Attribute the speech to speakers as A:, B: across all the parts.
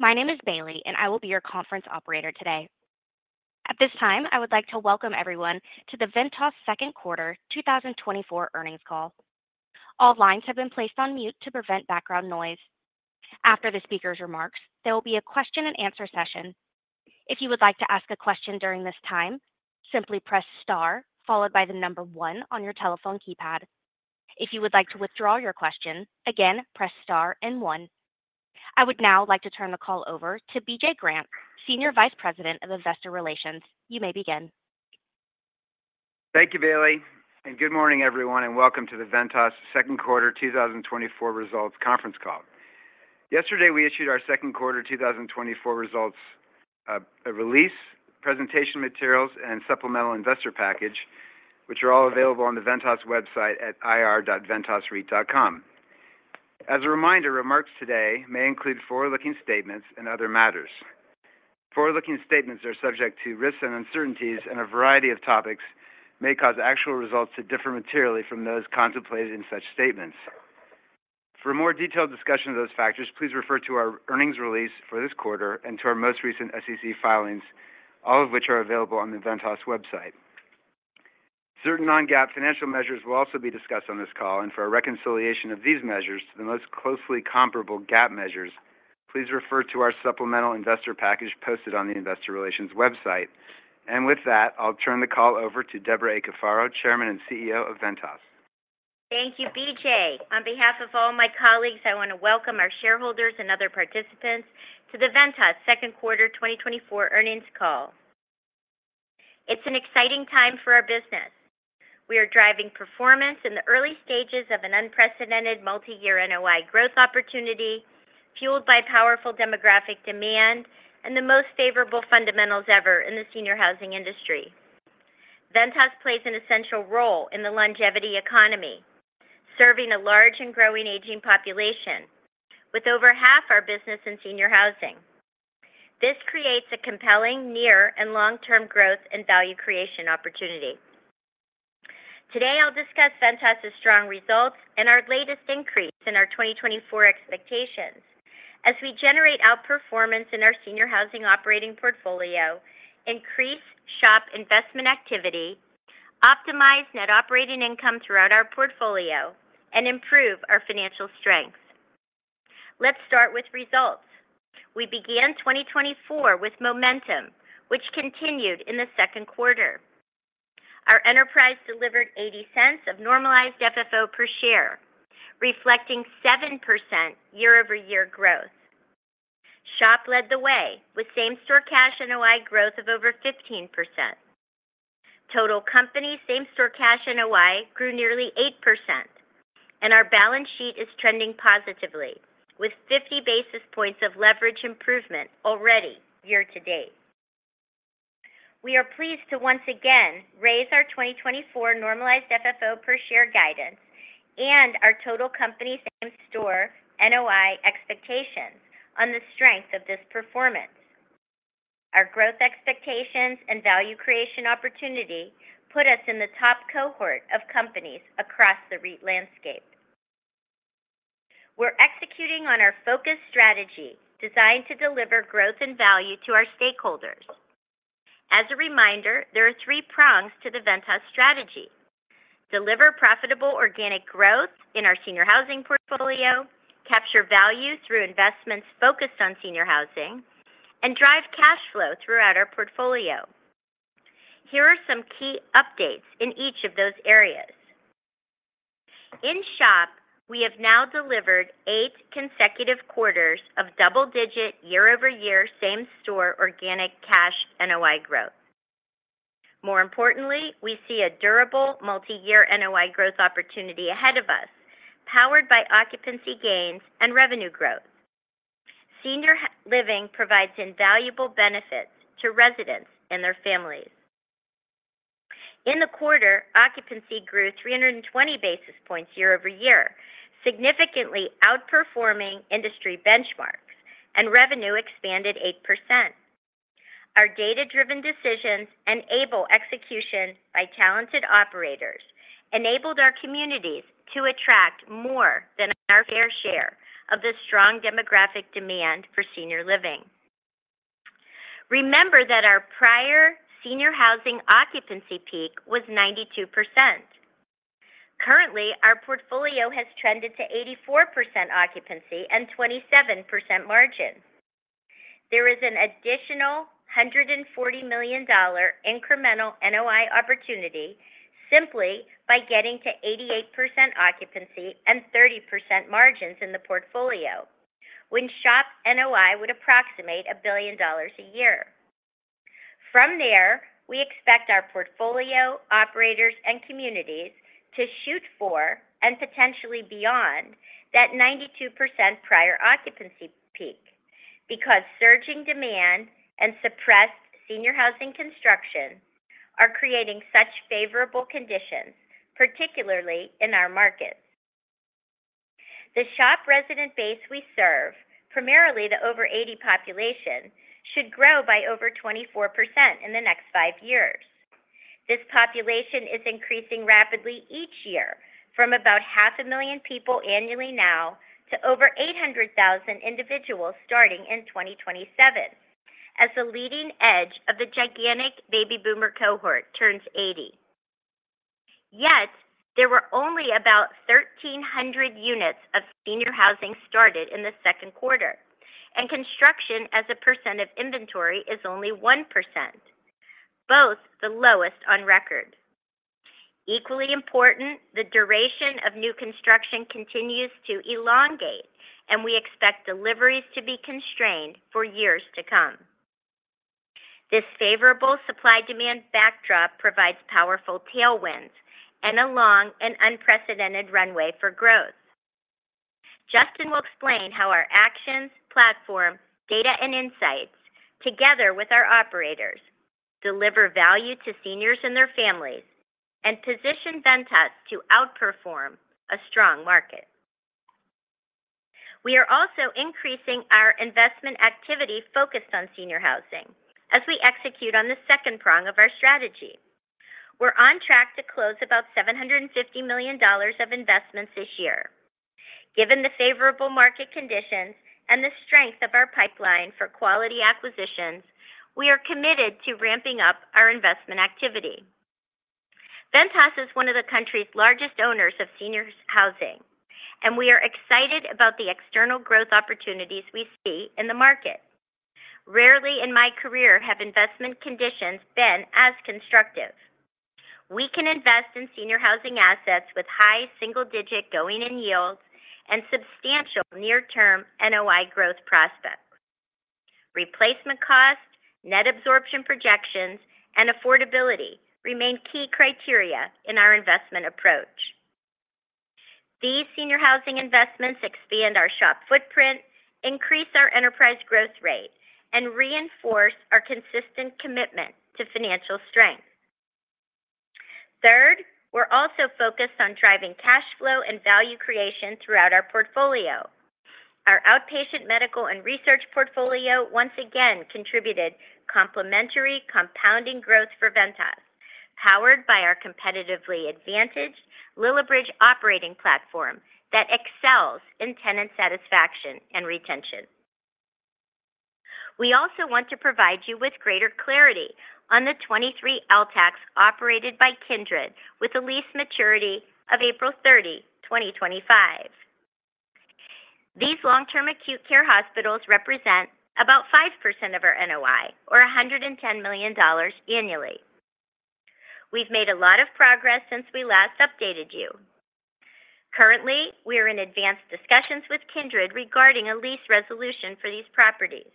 A: My name is Bailey, and I will be your conference operator today. At this time, I would like to welcome everyone to the Ventas 2nd Quarter 2024 earnings call. All lines have been placed on mute to prevent background noise. After the speaker's remarks, there will be a question-and-answer session. If you would like to ask a question during this time, simply press star followed by the number one on your telephone keypad. If you would like to withdraw your question, again, press star and one. I would now like to turn the call over to BJ Grant, Senior Vice President of Investor Relations. You may begin.
B: Thank you, Bailey. Good morning, everyone, and welcome to the Ventas second quarter 2024 results conference call. Yesterday, we issued our second quarter 2024 results release, presentation materials, and supplemental investor package, which are all available on the Ventas website at ir.ventasreit.com. As a reminder, remarks today may include forward-looking statements and other matters. Forward-looking statements are subject to risks and uncertainties, and a variety of topics may cause actual results to differ materially from those contemplated in such statements. For a more detailed discussion of those factors, please refer to our earnings release for this quarter and to our most recent SEC filings, all of which are available on the Ventas website. Certain non-GAAP financial measures will also be discussed on this call. For a reconciliation of these measures to the most closely comparable GAAP measures, please refer to our supplemental investor package posted on the Investor Relations website. With that, I'll turn the call over to Debra A. Cafaro, Chairman and CEO of Ventas.
C: Thank you, BJ. On behalf of all my colleagues, I want to welcome our shareholders and other participants to the Ventas second quarter 2024 earnings call. It's an exciting time for our business. We are driving performance in the early stages of an unprecedented multi-year NOI growth opportunity, fueled by powerful demographic demand and the most favorable fundamentals ever in the senior housing industry. Ventas plays an essential role in the longevity economy, serving a large and growing aging population with over half our business in senior housing. This creates a compelling near and long-term growth and value creation opportunity. Today, I'll discuss Ventas's strong results and our latest increase in our 2024 expectations as we generate outperformance in our senior housing operating portfolio, increase SHOP investment activity, optimize net operating income throughout our portfolio, and improve our financial strength. Let's start with results. We began 2024 with momentum, which continued in the second quarter. Our enterprise delivered $0.80 of normalized FFO per share, reflecting 7% year-over-year growth. SHOP led the way with same-store cash NOI growth of over 15%. Total company same-store cash NOI grew nearly 8%, and our balance sheet is trending positively with 50 basis points of leverage improvement already year to date. We are pleased to once again raise our 2024 normalized FFO per share guidance and our total company same-store NOI expectations on the strength of this performance. Our growth expectations and value creation opportunity put us in the top cohort of companies across the REIT landscape. We're executing on our focused strategy designed to deliver growth and value to our stakeholders. As a reminder, there are three prongs to the Ventas strategy: deliver profitable organic growth in our senior housing portfolio, capture value through investments focused on senior housing, and drive cash flow throughout our portfolio. Here are some key updates in each of those areas. In SHOP, we have now delivered 8 consecutive quarters of double-digit year-over-year same-store organic cash NOI growth. More importantly, we see a durable multi-year NOI growth opportunity ahead of us, powered by occupancy gains and revenue growth. Senior living provides invaluable benefits to residents and their families. In the quarter, occupancy grew 320 basis points year-over-year, significantly outperforming industry benchmarks, and revenue expanded 8%. Our data-driven decisions and able execution by talented operators enabled our communities to attract more than our fair share of the strong demographic demand for senior living. Remember that our prior senior housing occupancy peak was 92%. Currently, our portfolio has trended to 84% occupancy and 27% margin. There is an additional $140 million incremental NOI opportunity simply by getting to 88% occupancy and 30% margins in the portfolio, when SHOP NOI would approximate $1 billion a year. From there, we expect our portfolio, operators, and communities to shoot for and potentially beyond that 92% prior occupancy peak because surging demand and suppressed senior housing construction are creating such favorable conditions, particularly in our markets. The SHOP resident base we serve, primarily the over-80 population, should grow by over 24% in the next five years. This population is increasing rapidly each year from about 500,000 people annually now to over 800,000 individuals starting in 2027, as the leading edge of the gigantic baby boomer cohort turns 80. Yet, there were only about 1,300 units of senior housing started in the second quarter, and construction as a percent of inventory is only 1%, both the lowest on record. Equally important, the duration of new construction continues to elongate, and we expect deliveries to be constrained for years to come. This favorable supply-demand backdrop provides powerful tailwinds and a long and unprecedented runway for growth. Justin will explain how our actions, platform, data, and insights, together with our operators, deliver value to seniors and their families and position Ventas to outperform a strong market. We are also increasing our investment activity focused on senior housing as we execute on the second prong of our strategy. We're on track to close about $750 million of investments this year. Given the favorable market conditions and the strength of our pipeline for quality acquisitions, we are committed to ramping up our investment activity. Ventas is one of the country's largest owners of senior housing, and we are excited about the external growth opportunities we see in the market. Rarely in my career have investment conditions been as constructive. We can invest in senior housing assets with high single-digit going-in yields and substantial near-term NOI growth prospects. Replacement cost, net absorption projections, and affordability remain key criteria in our investment approach. These senior housing investments expand our SHOP footprint, increase our enterprise growth rate, and reinforce our consistent commitment to financial strength. Third, we're also focused on driving cash flow and value creation throughout our portfolio. Our outpatient medical and research portfolio once again contributed complementary compounding growth for Ventas, powered by our competitively advantaged Lillibridge operating platform that excels in tenant satisfaction and retention. We also want to provide you with greater clarity on the 23 LTACs operated by Kindred with a lease maturity of April 30, 2025. These long-term acute care hospitals represent about 5% of our NOI, or $110 million annually. We've made a lot of progress since we last updated you. Currently, we are in advanced discussions with Kindred regarding a lease resolution for these properties.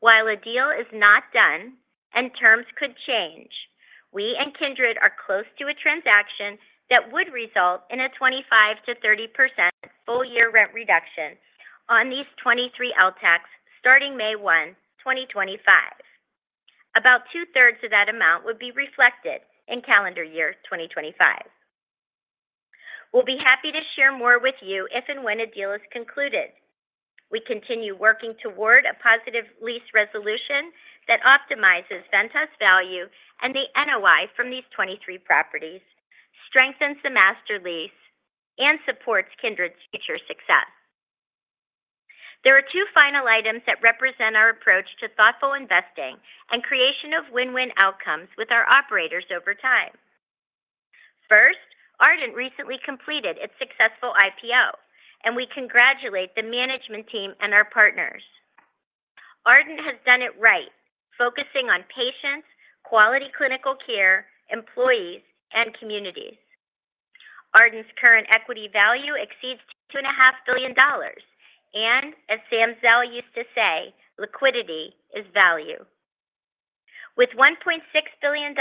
C: While a deal is not done and terms could change, we and Kindred are close to a transaction that would result in a 25%-30% full-year rent reduction on these 23 LTACs starting May 1, 2025. About two-thirds of that amount would be reflected in calendar year 2025. We'll be happy to share more with you if and when a deal is concluded. We continue working toward a positive lease resolution that optimizes Ventas value and the NOI from these 23 properties, strengthens the master lease, and supports Kindred's future success. There are two final items that represent our approach to thoughtful investing and creation of win-win outcomes with our operators over time. First, Ardent recently completed its successful IPO, and we congratulate the management team and our partners. Ardent has done it right, focusing on patients, quality clinical care, employees, and communities. Ardent's current equity value exceeds $2.5 billion, and as Sam Zell used to say, "Liquidity is value." With $1.6 billion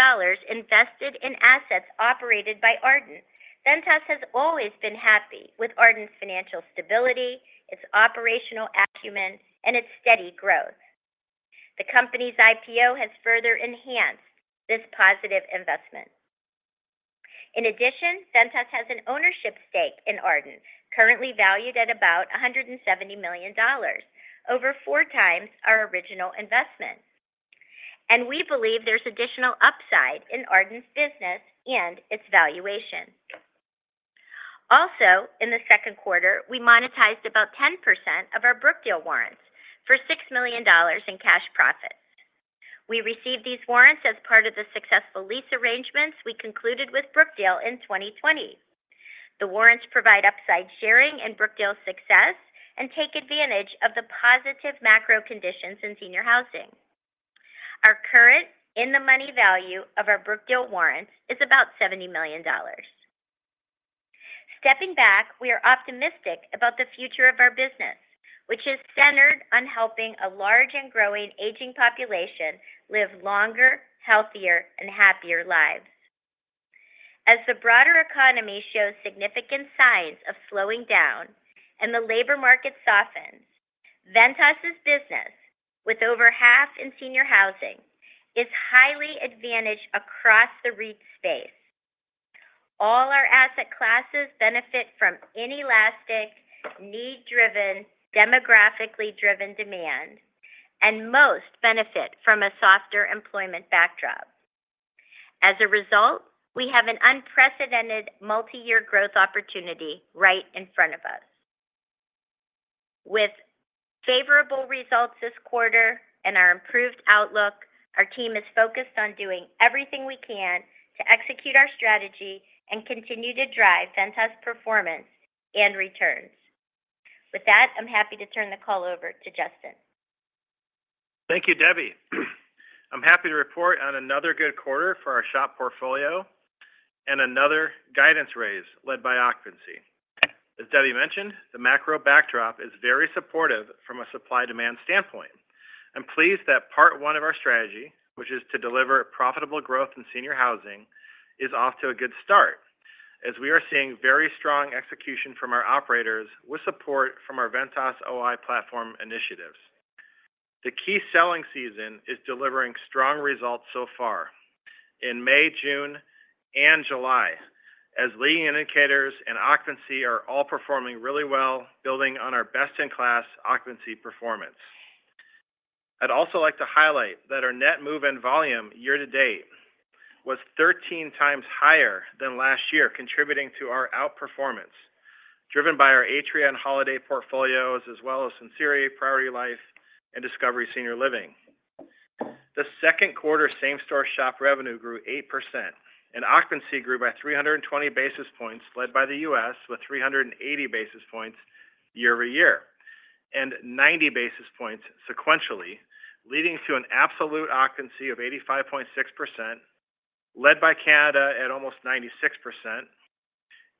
C: invested in assets operated by Ardent, Ventas has always been happy with Ardent's financial stability, its operational acumen, and its steady growth. The company's IPO has further enhanced this positive investment. In addition, Ventas has an ownership stake in Ardent, currently valued at about $170 million, over four times our original investment. We believe there's additional upside in Ardent's business and its valuation. Also, in the second quarter, we monetized about 10% of our Brookdale warrants for $6 million in cash profits. We received these warrants as part of the successful lease arrangements we concluded with Brookdale in 2020. The warrants provide upside sharing in Brookdale's success and take advantage of the positive macro conditions in senior housing. Our current in-the-money value of our Brookdale warrants is about $70 million. Stepping back, we are optimistic about the future of our business, which is centered on helping a large and growing aging population live longer, healthier, and happier lives. As the broader economy shows significant signs of slowing down and the labor market softens, Ventas's business, with over half in senior housing, is highly advantaged across the REIT space. All our asset classes benefit from inelastic, need-driven, demographically driven demand, and most benefit from a softer employment backdrop. As a result, we have an unprecedented multi-year growth opportunity right in front of us. With favorable results this quarter and our improved outlook, our team is focused on doing everything we can to execute our strategy and continue to drive Ventas performance and returns. With that, I'm happy to turn the call over to Justin.
D: Thank you, Debbie. I'm happy to report on another good quarter for our SHOP portfolio and another guidance raise led by occupancy. As Debbie mentioned, the macro backdrop is very supportive from a supply-demand standpoint. I'm pleased that part one of our strategy, which is to deliver profitable growth in senior housing, is off to a good start, as we are seeing very strong execution from our operators with support from our Ventas OI platform initiatives. The key selling season is delivering strong results so far in May, June, and July, as leading indicators and occupancy are all performing really well, building on our best-in-class occupancy performance. I'd also like to highlight that our net move-in volume year to date was 13 times higher than last year, contributing to our outperformance driven by our Atria and Holiday portfolios, as well as Sinceri, Priority Life, and Discovery Senior Living. The second quarter same-store SHOP revenue grew 8%, and occupancy grew by 320 basis points, led by the U.S. with 380 basis points year-over-year and 90 basis points sequentially, leading to an absolute occupancy of 85.6%, led by Canada at almost 96%,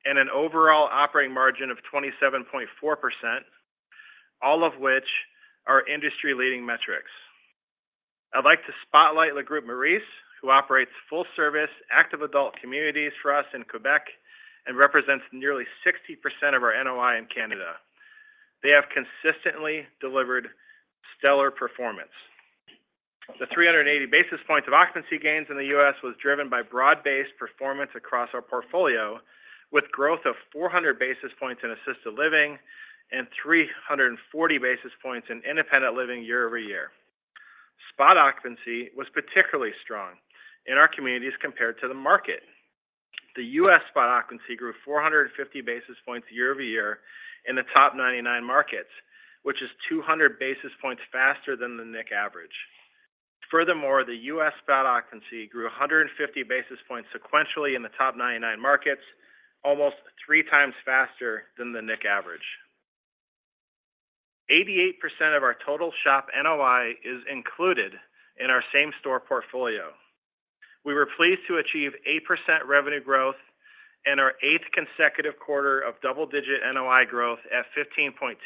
D: and an overall operating margin of 27.4%, all of which are industry-leading metrics. I'd like to spotlight Le Groupe Maurice, who operates full-service active adult communities for us in Québec and represents nearly 60% of our NOI in Canada. They have consistently delivered stellar performance. The 380 basis points of occupancy gains in the U.S. was driven by broad-based performance across our portfolio, with growth of 400 basis points in assisted living and 340 basis points in independent living year-over-year. Spot occupancy was particularly strong in our communities compared to the market. The U.S. spot occupancy grew 450 basis points year-over-year in the top 99 markets, which is 200 basis points faster than the NIC average. Furthermore, the U.S. spot occupancy grew 150 basis points sequentially in the top 99 markets, almost three times faster than the NIC average. 88% of our total SHOP NOI is included in our same-store portfolio. We were pleased to achieve 8% revenue growth and our eighth consecutive quarter of double-digit NOI growth at 15.2%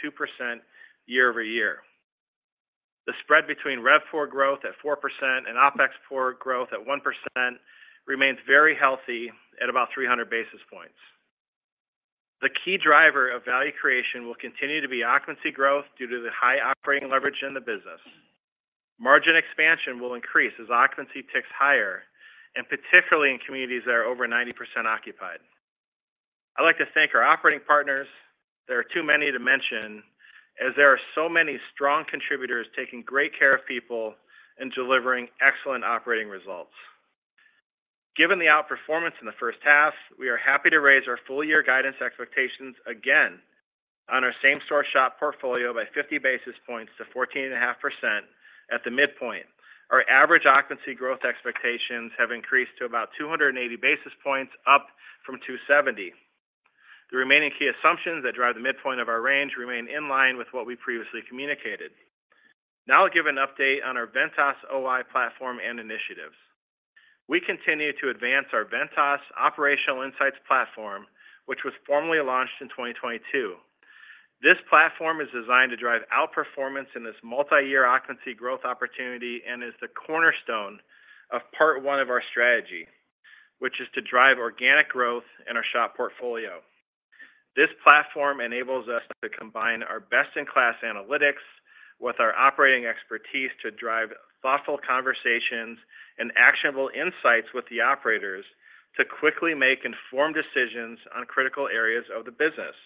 D: year-over-year. The spread between RevPOR growth at 4% and OpExPOR growth at 1% remains very healthy at about 300 basis points. The key driver of value creation will continue to be occupancy growth due to the high operating leverage in the business. Margin expansion will increase as occupancy ticks higher, and particularly in communities that are over 90% occupied. I'd like to thank our operating partners. There are too many to mention, as there are so many strong contributors taking great care of people and delivering excellent operating results. Given the outperformance in the first half, we are happy to raise our full-year guidance expectations again on our same-store SHOP portfolio by 50 basis points to 14.5% at the midpoint. Our average occupancy growth expectations have increased to about 280 basis points, up from 270. The remaining key assumptions that drive the midpoint of our range remain in line with what we previously communicated. Now I'll give an update on our Ventas OI platform and initiatives. We continue to advance our Ventas Operational Insights platform, which was formally launched in 2022. This platform is designed to drive outperformance in this multi-year occupancy growth opportunity and is the cornerstone of part one of our strategy, which is to drive organic growth in our SHOP portfolio. This platform enables us to combine our best-in-class analytics with our operating expertise to drive thoughtful conversations and actionable insights with the operators to quickly make informed decisions on critical areas of the business.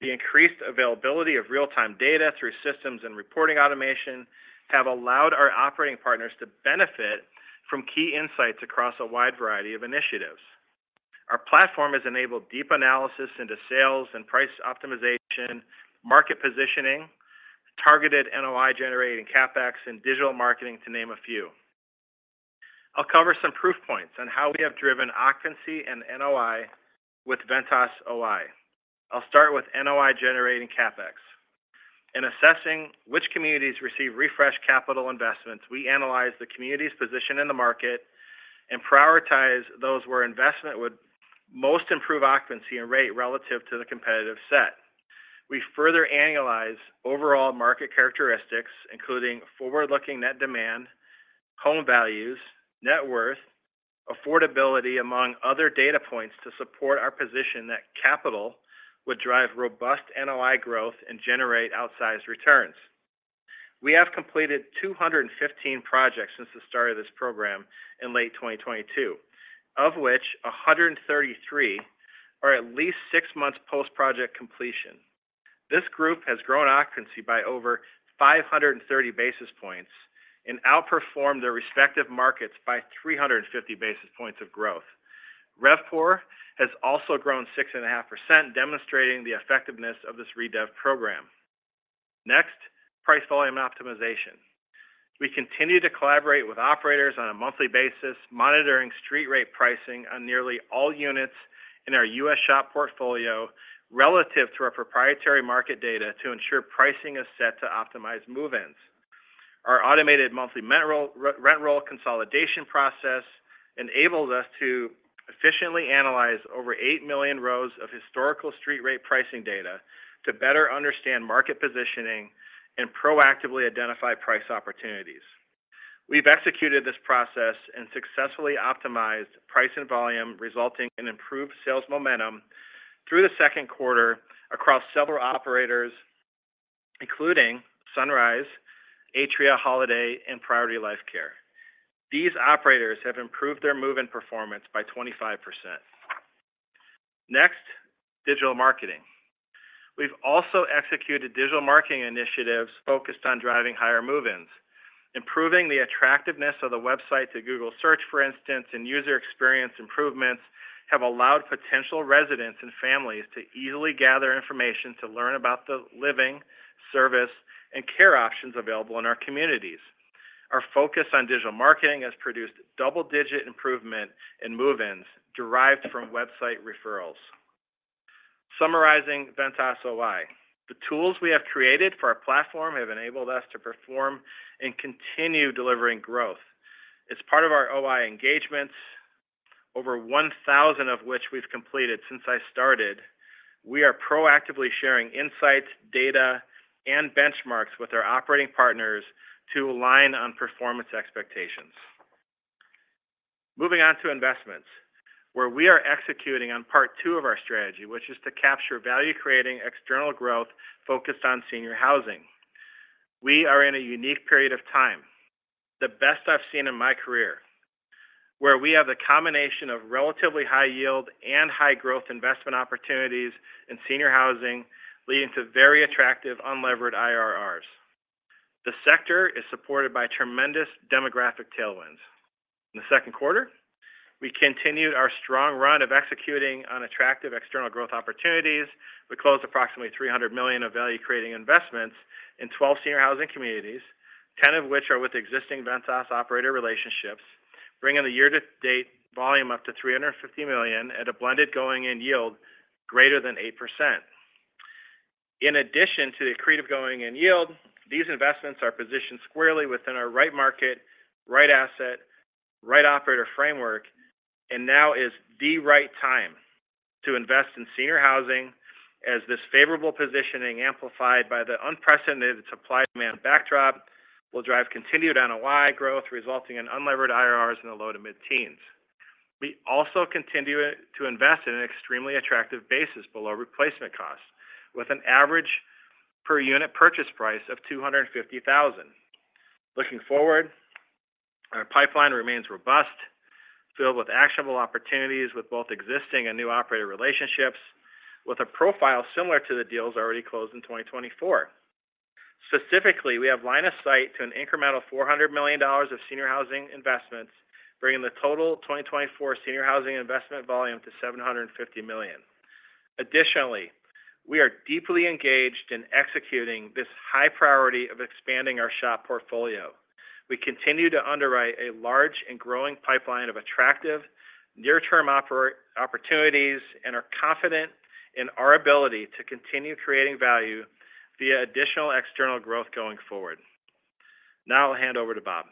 D: The increased availability of real-time data through systems and reporting automation has allowed our operating partners to benefit from key insights across a wide variety of initiatives. Our platform has enabled deep analysis into sales and price optimization, market positioning, targeted NOI-generating CapEx, and digital marketing, to name a few. I'll cover some proof points on how we have driven occupancy and NOI with Ventas OI. I'll start with NOI-generating CapEx. In assessing which communities receive refreshed capital investments, we analyze the community's position in the market and prioritize those where investment would most improve occupancy and rate relative to the competitive set. We further analyze overall market characteristics, including forward-looking net demand, home values, net worth, affordability, among other data points to support our position that capital would drive robust NOI growth and generate outsized returns. We have completed 215 projects since the start of this program in late 2022, of which 133 are at least six months post-project completion. This group has grown occupancy by over 530 basis points and outperformed their respective markets by 350 basis points of growth. RevPOR has also grown 6.5%, demonstrating the effectiveness of this Redevelopment program. Next, price volume optimization. We continue to collaborate with operators on a monthly basis, monitoring street rate pricing on nearly all units in our U.S. SHOP portfolio relative to our proprietary market data to ensure pricing is set to optimize move-ins. Our automated monthly rent roll consolidation process enables us to efficiently analyze over 8 million rows of historical street rate pricing data to better understand market positioning and proactively identify price opportunities. We've executed this process and successfully optimized price and volume, resulting in improved sales momentum through the second quarter across several operators, including Sunrise, Atria Holiday, and Priority Life Care. These operators have improved their move-in performance by 25%. Next, digital marketing. We've also executed digital marketing initiatives focused on driving higher move-ins. Improving the attractiveness of the website to Google Search, for instance, and user experience improvements have allowed potential residents and families to easily gather information to learn about the living, service, and care options available in our communities. Our focus on digital marketing has produced double-digit improvement in move-ins derived from website referrals. Summarizing Ventas OI, the tools we have created for our platform have enabled us to perform and continue delivering growth. As part of our OI engagements, over 1,000 of which we've completed since I started, we are proactively sharing insights, data, and benchmarks with our operating partners to align on performance expectations. Moving on to investments, where we are executing on part two of our strategy, which is to capture value-creating external growth focused on senior housing. We are in a unique period of time, the best I've seen in my career, where we have the combination of relatively high yield and high growth investment opportunities in senior housing, leading to very attractive unlevered IRRs. The sector is supported by tremendous demographic tailwinds. In the second quarter, we continued our strong run of executing on attractive external growth opportunities. We closed approximately $300 million of value-creating investments in 12 senior housing communities, 10 of which are with existing Ventas operator relationships, bringing the year-to-date volume up to $350 million at a blended going-in yield greater than 8%. In addition to the accretive going-in yield, these investments are positioned squarely within our right market, right asset, right operator framework, and now is the right time to invest in senior housing, as this favorable positioning, amplified by the unprecedented supply-demand backdrop, will drive continued NOI growth, resulting in unlevered IRRs in the low to mid-teens. We also continue to invest at an extremely attractive basis below replacement cost, with an average per unit purchase price of $250,000. Looking forward, our pipeline remains robust, filled with actionable opportunities with both existing and new operator relationships, with a profile similar to the deals already closed in 2024. Specifically, we have line of sight to an incremental $400 million of senior housing investments, bringing the total 2024 senior housing investment volume to $750 million. Additionally, we are deeply engaged in executing this high priority of expanding our SHOP portfolio. We continue to underwrite a large and growing pipeline of attractive near-term opportunities and are confident in our ability to continue creating value via additional external growth going forward. Now I'll hand over to Bob.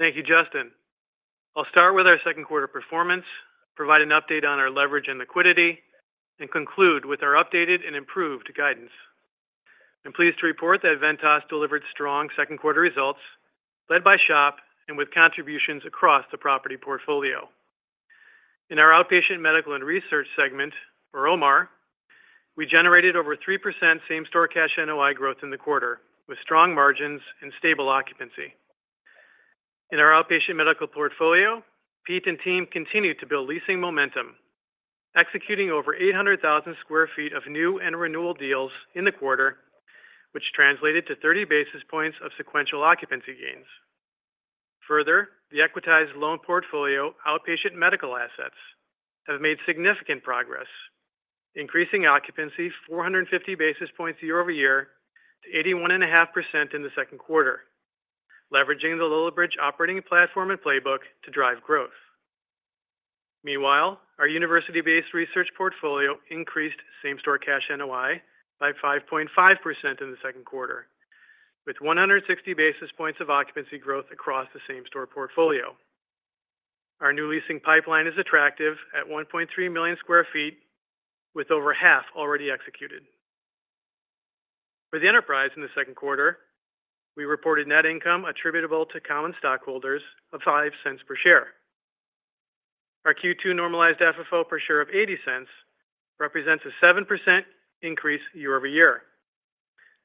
E: Thank you, Justin. I'll start with our second quarter performance, provide an update on our leverage and liquidity, and conclude with our updated and improved guidance. I'm pleased to report that Ventas delivered strong second quarter results, led by SHOP and with contributions across the property portfolio. In our outpatient medical and research segment, or OMR, we generated over 3% same-store cash NOI growth in the quarter, with strong margins and stable occupancy. In our outpatient medical portfolio, Pete and team continued to build leasing momentum, executing over 800,000 sq ft of new and renewal deals in the quarter, which translated to 30 basis points of sequential occupancy gains. Further, the Equitized Loan Portfolio outpatient medical assets have made significant progress, increasing occupancy 450 basis points year-over-year to 81.5% in the second quarter, leveraging the Lillibridge operating platform and playbook to drive growth. Meanwhile, our university-based research portfolio increased same-store cash NOI by 5.5% in the second quarter, with 160 basis points of occupancy growth across the same-store portfolio. Our new leasing pipeline is attractive at 1.3 million sq ft, with over half already executed. For the enterprise in the second quarter, we reported net income attributable to common stockholders of $0.05 per share. Our Q2 normalized FFO per share of $0.80 represents a 7% increase year-over-year.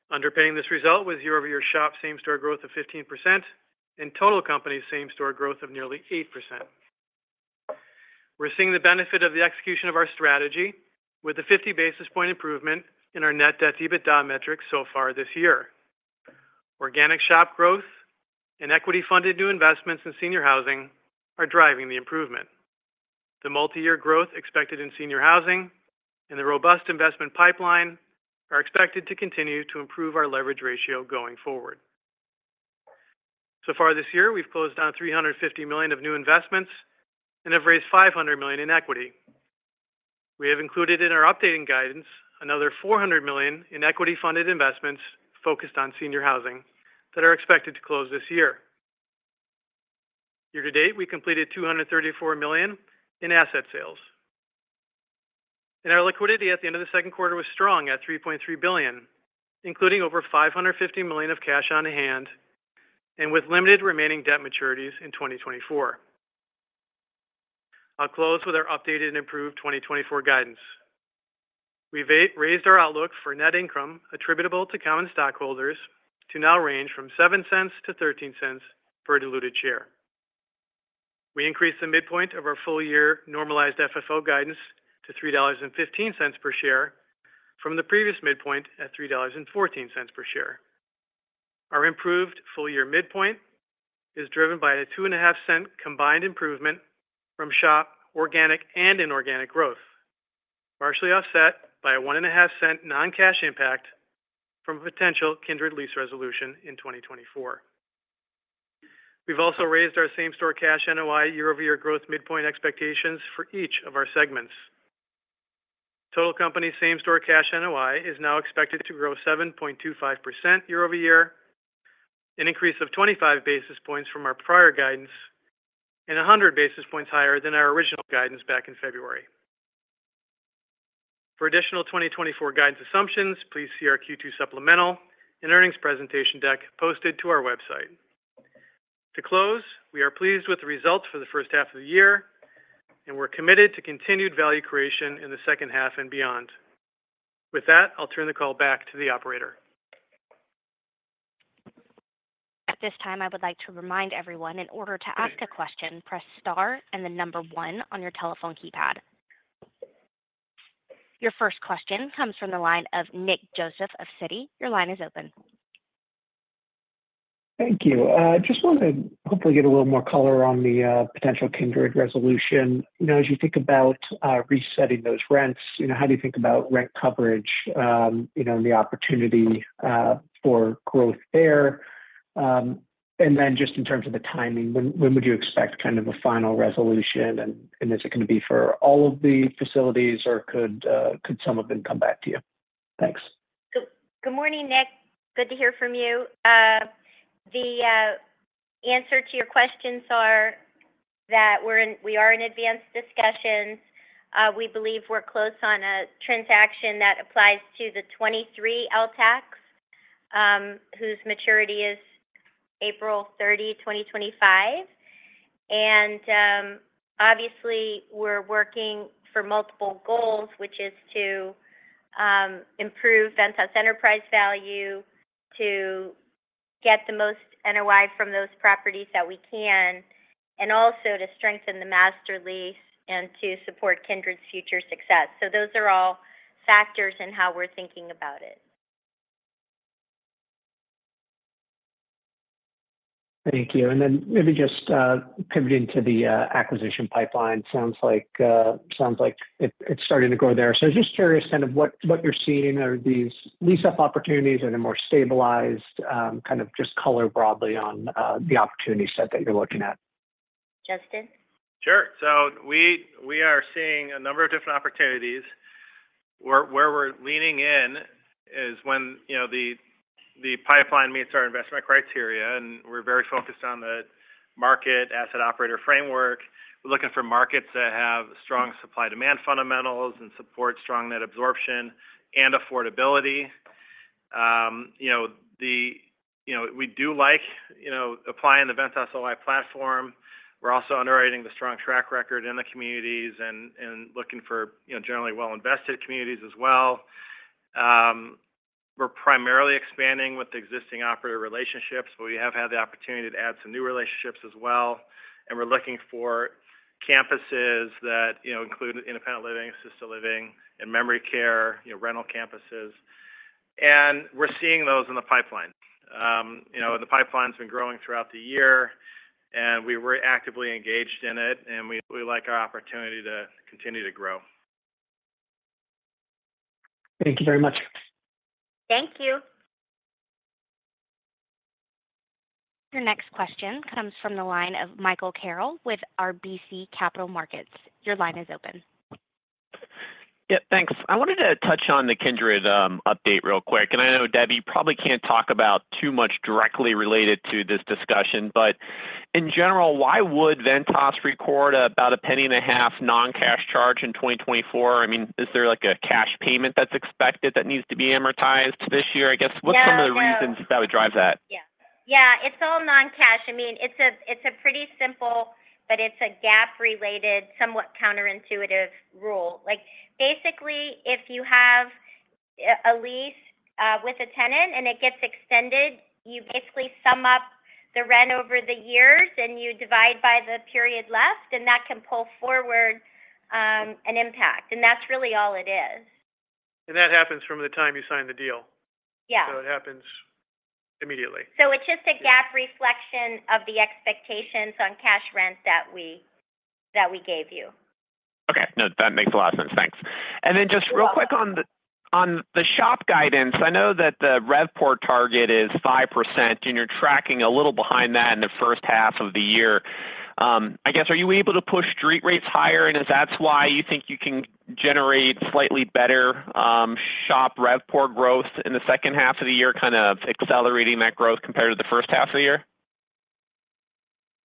E: Underpinning this result was year-over-year SHOP same-store growth of 15% and total company same-store growth of nearly 8%. We're seeing the benefit of the execution of our strategy, with a 50 basis points improvement in our net debt to EBITDA metrics so far this year. Organic SHOP growth and equity-funded new investments in senior housing are driving the improvement. The multi-year growth expected in senior housing and the robust investment pipeline are expected to continue to improve our leverage ratio going forward. So far this year, we've closed $350 million of new investments and have raised $500 million in equity. We have included in our updating guidance another $400 million in equity-funded investments focused on senior housing that are expected to close this year. Year-to-date, we completed $234 million in asset sales. Our liquidity at the end of the second quarter was strong at $3.3 billion, including over $550 million of cash on hand and with limited remaining debt maturities in 2024. I'll close with our updated and improved 2024 guidance. We raised our outlook for net income attributable to common stockholders to now range from $0.07-$0.13 per diluted share. We increased the midpoint of our full-year normalized FFO guidance to $3.15 per share from the previous midpoint at $3.14 per share. Our improved full-year midpoint is driven by a $0.025 combined improvement from SHOP organic and inorganic growth, partially offset by a $0.015 non-cash impact from potential Kindred lease resolution in 2024. We've also raised our same-store cash NOI year-over-year growth midpoint expectations for each of our segments. Total company same-store cash NOI is now expected to grow 7.25% year-over-year, an increase of 25 basis points from our prior guidance, and 100 basis points higher than our original guidance back in February. For additional 2024 guidance assumptions, please see our Q2 supplemental and earnings presentation deck posted to our website. To close, we are pleased with the results for the first half of the year, and we're committed to continued value creation in the second half and beyond. With that, I'll turn the call back to the operator.
A: At this time, I would like to remind everyone in order to ask a question, press Star and the number one on your telephone keypad. Your first question comes from the line of Nick Joseph of Citi. Your line is open.
F: Thank you. I just want to hopefully get a little more color on the potential Kindred resolution. As you think about resetting those rents, how do you think about rent coverage and the opportunity for growth there? And then just in terms of the timing, when would you expect kind of a final resolution? And is it going to be for all of the facilities, or could some of them come back to you? Thanks.
C: Good morning, Nick. Good to hear from you. The answer to your questions are that we are in advanced discussions. We believe we're close on a transaction that applies to the 23 LTACs, whose maturity is April 30, 2025. And obviously, we're working for multiple goals, which is to improve Ventas Enterprise value, to get the most NOI from those properties that we can, and also to strengthen the master lease and to support Kindred's future success. So those are all factors in how we're thinking about it.
F: Thank you. Then maybe just pivoting to the acquisition pipeline. Sounds like it's starting to grow there. So just curious kind of what you're seeing are these lease-up opportunities and a more stabilized kind of just color broadly on the opportunity set that you're looking at.
C: Justin?
D: Sure. So we are seeing a number of different opportunities. Where we're leaning in is when the pipeline meets our investment criteria, and we're very focused on the market asset operator framework. We're looking for markets that have strong supply-demand fundamentals and support strong net absorption and affordability. We do like applying the Ventas OI platform. We're also underwriting the strong track record in the communities and looking for generally well-invested communities as well. We're primarily expanding with existing operator relationships, but we have had the opportunity to add some new relationships as well. We're looking for campuses that include independent living, assisted living, and memory care, rental campuses. We're seeing those in the pipeline. The pipeline's been growing throughout the year, and we were actively engaged in it, and we like our opportunity to continue to grow.
F: Thank you very much.
C: Thank you.
A: Your next question comes from the line of Michael Carroll with RBC Capital Markets. Your line is open.
G: Yep, thanks. I wanted to touch on the Kindred update real quick. I know, Debbie, you probably can't talk about too much directly related to this discussion, but in general, why would Ventas record about $0.015 non-cash charge in 2024? I mean, is there a cash payment that's expected that needs to be amortized this year? I guess what's some of the reasons that would drive that?
C: Yeah. Yeah, it's all non-cash. I mean, it's a pretty simple, but it's a GAAP-related, somewhat counterintuitive rule. Basically, if you have a lease with a tenant and it gets extended, you basically sum up the rent over the years, and you divide by the period left, and that can pull forward an impact. And that's really all it is.
G: And that happens from the time you sign the deal.
C: Yeah.
G: So it happens immediately.
C: So it's just a GAAP reflection of the expectations on cash rent that we gave you.
G: Okay. No, that makes a lot of sense. Thanks. And then just real quick on the SHOP guidance, I know that the RevPOR target is 5%, and you're tracking a little behind that in the first half of the year. I guess, are you able to push street rates higher, and is that why you think you can generate slightly better SHOP RevPOR growth in the second half of the year, kind of accelerating that growth compared to the first half of the year?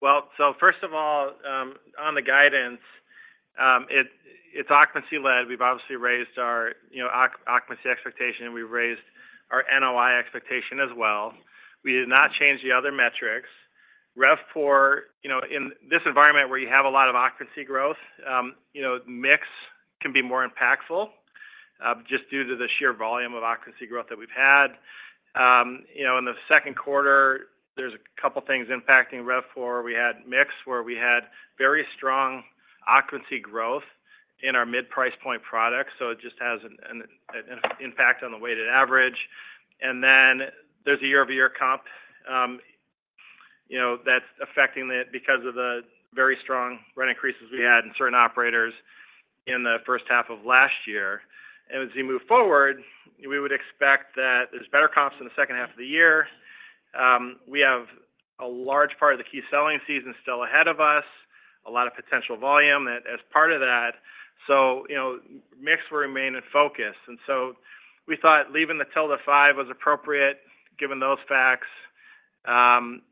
E: Well, so first of all, on the guidance, it's occupancy-led. We've obviously raised our occupancy expectation, and we've raised our NOI expectation as well. We did not change the other metrics. RevPOR, in this environment where you have a lot of occupancy growth, mix can be more impactful just due to the sheer volume of occupancy growth that we've had. In the second quarter, there's a couple of things impacting RevPOR. We had mix, where we had very strong occupancy growth in our mid-price point products, so it just has an impact on the weighted average. And then there's a year-over-year comp that's affecting it because of the very strong rent increases we had in certain operators in the first half of last year. And as we move forward, we would expect that there's better comps in the second half of the year. We have a large part of the key selling season still ahead of us, a lot of potential volume as part of that. So mix will remain in focus. And so we thought leaving the ~5 was appropriate, given those facts, and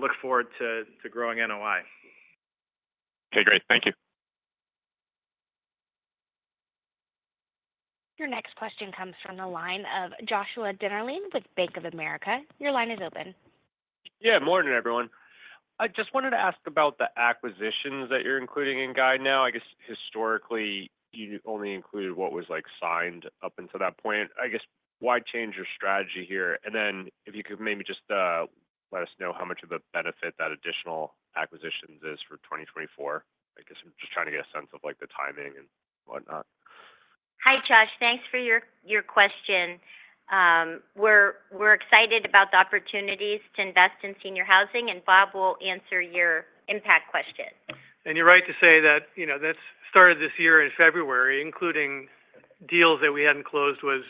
E: look forward to growing NOI.
G: Okay, great. Thank you.
A: Your next question comes from the line of Joshua Dennerlein with Bank of America. Your line is open.
H: Yeah, morning, everyone. I just wanted to ask about the acquisitions that you're including in guide now. I guess historically, you only included what was signed up until that point. I guess, why change your strategy here? And then if you could maybe just let us know how much of a benefit that additional acquisitions is for 2024. I guess I'm just trying to get a sense of the timing and whatnot.
C: Hi, Josh. Thanks for your question. We're excited about the opportunities to invest in senior housing, and Bob will answer your impact question.
E: You're right to say that that started this year in February, including deals that we hadn't closed was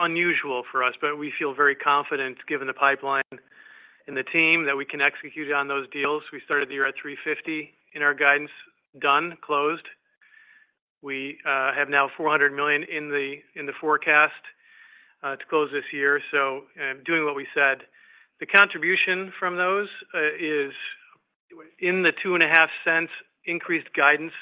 E: unusual for us, but we feel very confident given the pipeline and the team that we can execute on those deals. We started the year at $350 million in our guidance, done, closed. We have now $400 million in the forecast to close this year. So doing what we said, the contribution from those is in the $0.025 increased guidance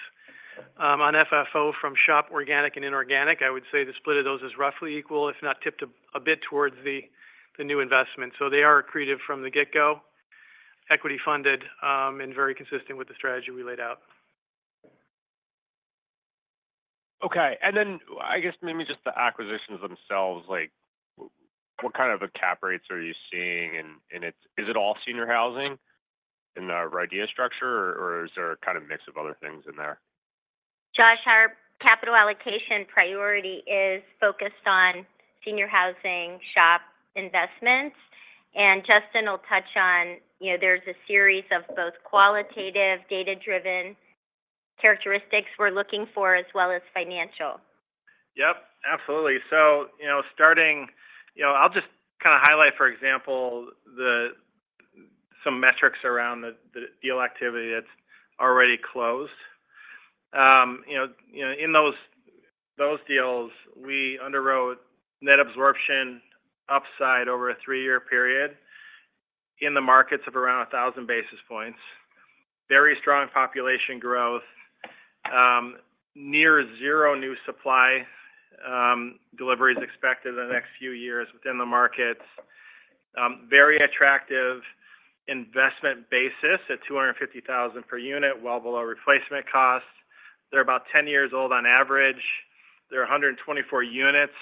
E: on FFO from SHOP organic and inorganic. I would say the split of those is roughly equal, if not tipped a bit towards the new investment. So they are accretive from the get-go, equity-funded, and very consistent with the strategy we laid out.
H: Okay. And then I guess maybe just the acquisitions themselves, what kind of cap rates are you seeing? And is it all senior housing in the RIDEA structure, or is there a kind of mix of other things in there?
C: Josh, our capital allocation priority is focused on senior housing SHOP investments. And Justin will touch on there's a series of both qualitative, data-driven characteristics we're looking for, as well as financial.
D: Yep, absolutely. So starting, I'll just kind of highlight, for example, some metrics around the deal activity that's already closed. In those deals, we underwrote net absorption upside over a three-year period in the markets of around 1,000 basis points, very strong population growth, near zero new supply deliveries expected in the next few years within the markets, very attractive investment basis at $250,000 per unit, well below replacement costs. They're about 10 years old on average. There are 124 units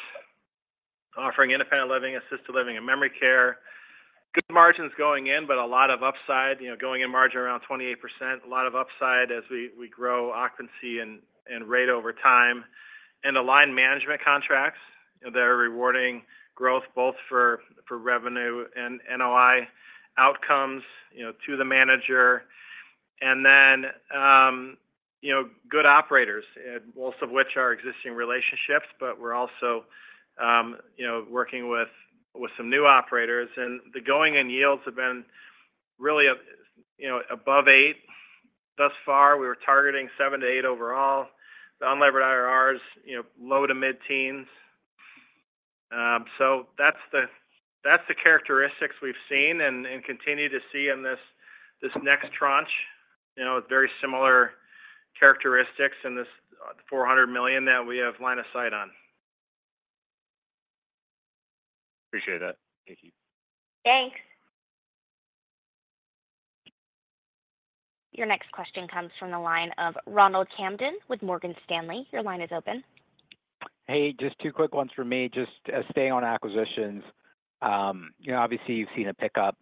D: offering independent living, assisted living, and memory care. Good margins going in, but a lot of upside, going in margin around 28%, a lot of upside as we grow occupancy and rate over time. And aligned management contracts that are rewarding growth both for revenue and NOI outcomes to the manager. And then good operators, most of which are existing relationships, but we're also working with some new operators. And the going-in yields have been really above 8% thus far. We were targeting 7%-8% overall. The unlevered IRRs, low to mid-teens. So that's the characteristics we've seen and continue to see in this next tranche with very similar characteristics in this $400 million that we have lined up on.
H: Appreciate that. Thank you.
C: Thanks.
A: Your next question comes from the line of Ronald Kamdem with Morgan Stanley. Your line is open.
I: Hey, just two quick ones for me. Just staying on acquisitions. Obviously, you've seen a pickup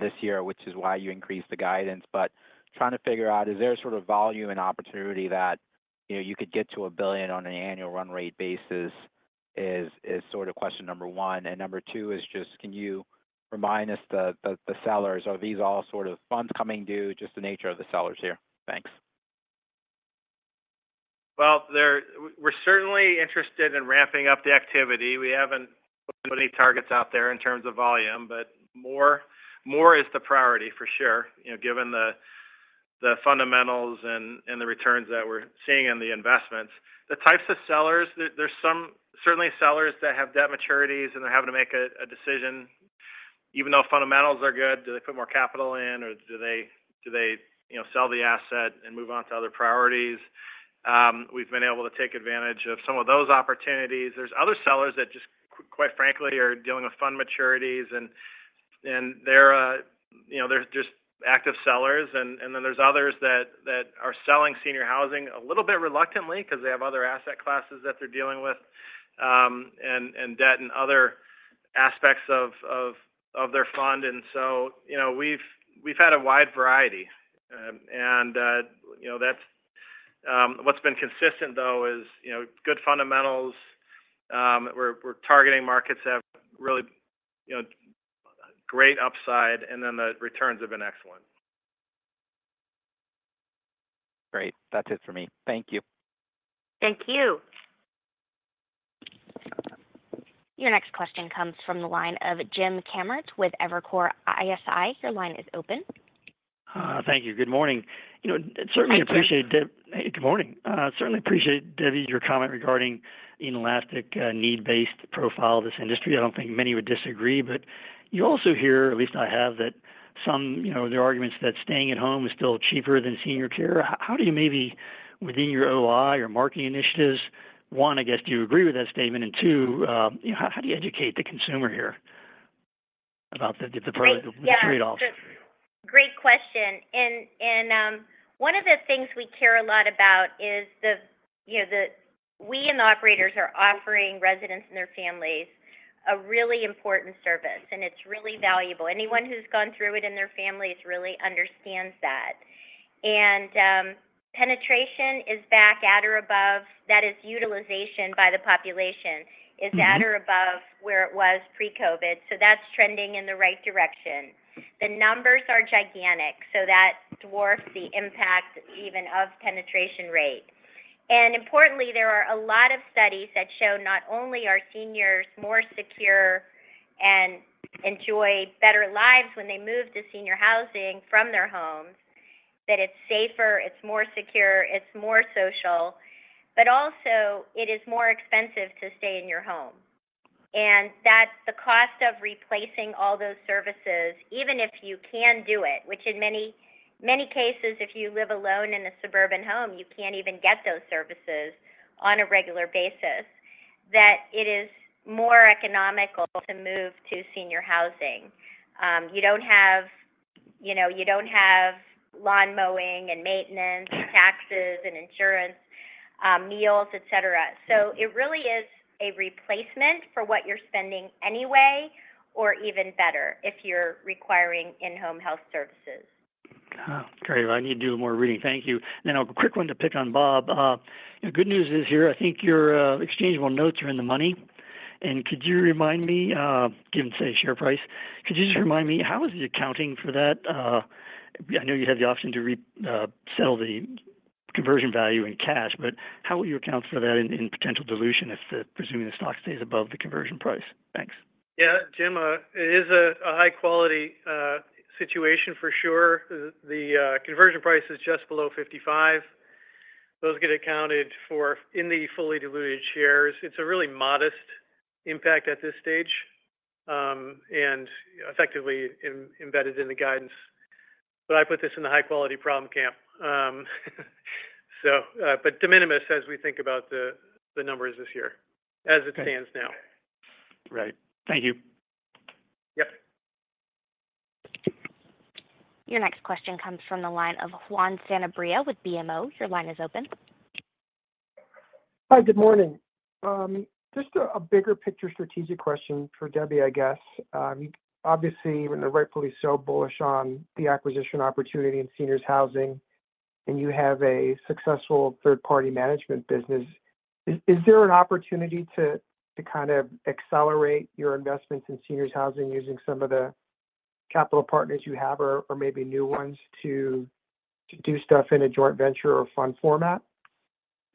I: this year, which is why you increased the guidance. But trying to figure out, is there sort of volume and opportunity that you could get to $1 billion on an annual run rate basis is sort of question number one. And number two is just, can you remind us the sellers? Are these all sort of funds coming due? Just the nature of the sellers here. Thanks.
D: Well, we're certainly interested in ramping up the activity. We haven't put any targets out there in terms of volume, but more is the priority for sure, given the fundamentals and the returns that we're seeing in the investments. The types of sellers, there's certainly sellers that have debt maturities, and they're having to make a decision. Even though fundamentals are good, do they put more capital in, or do they sell the asset and move on to other priorities? We've been able to take advantage of some of those opportunities. There's other sellers that just, quite frankly, are dealing with fund maturities, and they're just active sellers. And then there's others that are selling senior housing a little bit reluctantly because they have other asset classes that they're dealing with and debt and other aspects of their fund. And so we've had a wide variety. And what's been consistent, though, is good fundamentals. We're targeting markets that have really great upside, and then the returns have been excellent.
I: Great. That's it for me. Thank you.
A: Thank you. Your next question comes from the line of Jim Kammert with Evercore ISI. Your line is open.
J: Thank you. Good morning. Certainly appreciate, Debbie. Good morning. Certainly appreciate Debbie's comment regarding the elastic need-based profile of this industry. I don't think many would disagree, but you also hear, at least I have, that some of the arguments that staying at home is still cheaper than senior care. How do you maybe, within your OI or marketing initiatives, one, I guess, do you agree with that statement? And two, how do you educate the consumer here about the trade-offs?
C: Great question. One of the things we care a lot about is that we and the operators are offering residents and their families a really important service, and it's really valuable. Anyone who's gone through it in their families really understands that. Penetration is back at or above that is utilization by the population is at or above where it was pre-COVID. That's trending in the right direction. The numbers are gigantic, so that dwarfs the impact even of penetration rate. Importantly, there are a lot of studies that show not only are seniors more secure and enjoy better lives when they move to senior housing from their homes, that it's safer, it's more secure, it's more social, but also it is more expensive to stay in your home. That the cost of replacing all those services, even if you can do it, which in many cases, if you live alone in a suburban home, you can't even get those services on a regular basis, that it is more economical to move to senior housing. You don't have lawn mowing and maintenance and taxes and insurance, meals, etc. So it really is a replacement for what you're spending anyway or even better if you're requiring in-home health services.
J: Great. I need to do more reading. Thank you. Then a quick one to pick on, Bob. The good news is here, I think your exchangeable notes are in the money. Could you remind me, given today's share price, could you just remind me how is the accounting for that? I know you have the option to settle the conversion value in cash, but how will you account for that in potential dilution if, presuming the stock stays above the conversion price? Thanks.
E: Yeah, Jim, it is a high-quality situation for sure. The conversion price is just below $55. Those get accounted for in the fully diluted shares. It's a really modest impact at this stage and effectively embedded in the guidance. But I put this in the high-quality problem camp. But de minimis, as we think about the numbers this year, as it stands now.
J: Right. Thank you.
E: Yep.
A: Your next question comes from the line of Juan Sanabria with BMO. Your line is open.
K: Hi, good morning. Just a bigger picture strategic question for Debbie, I guess. Obviously, rightfully so, bullish on the acquisition opportunity in seniors' housing, and you have a successful third-party management business. Is there an opportunity to kind of accelerate your investments in seniors' housing using some of the capital partners you have or maybe new ones to do stuff in a joint venture or fund format?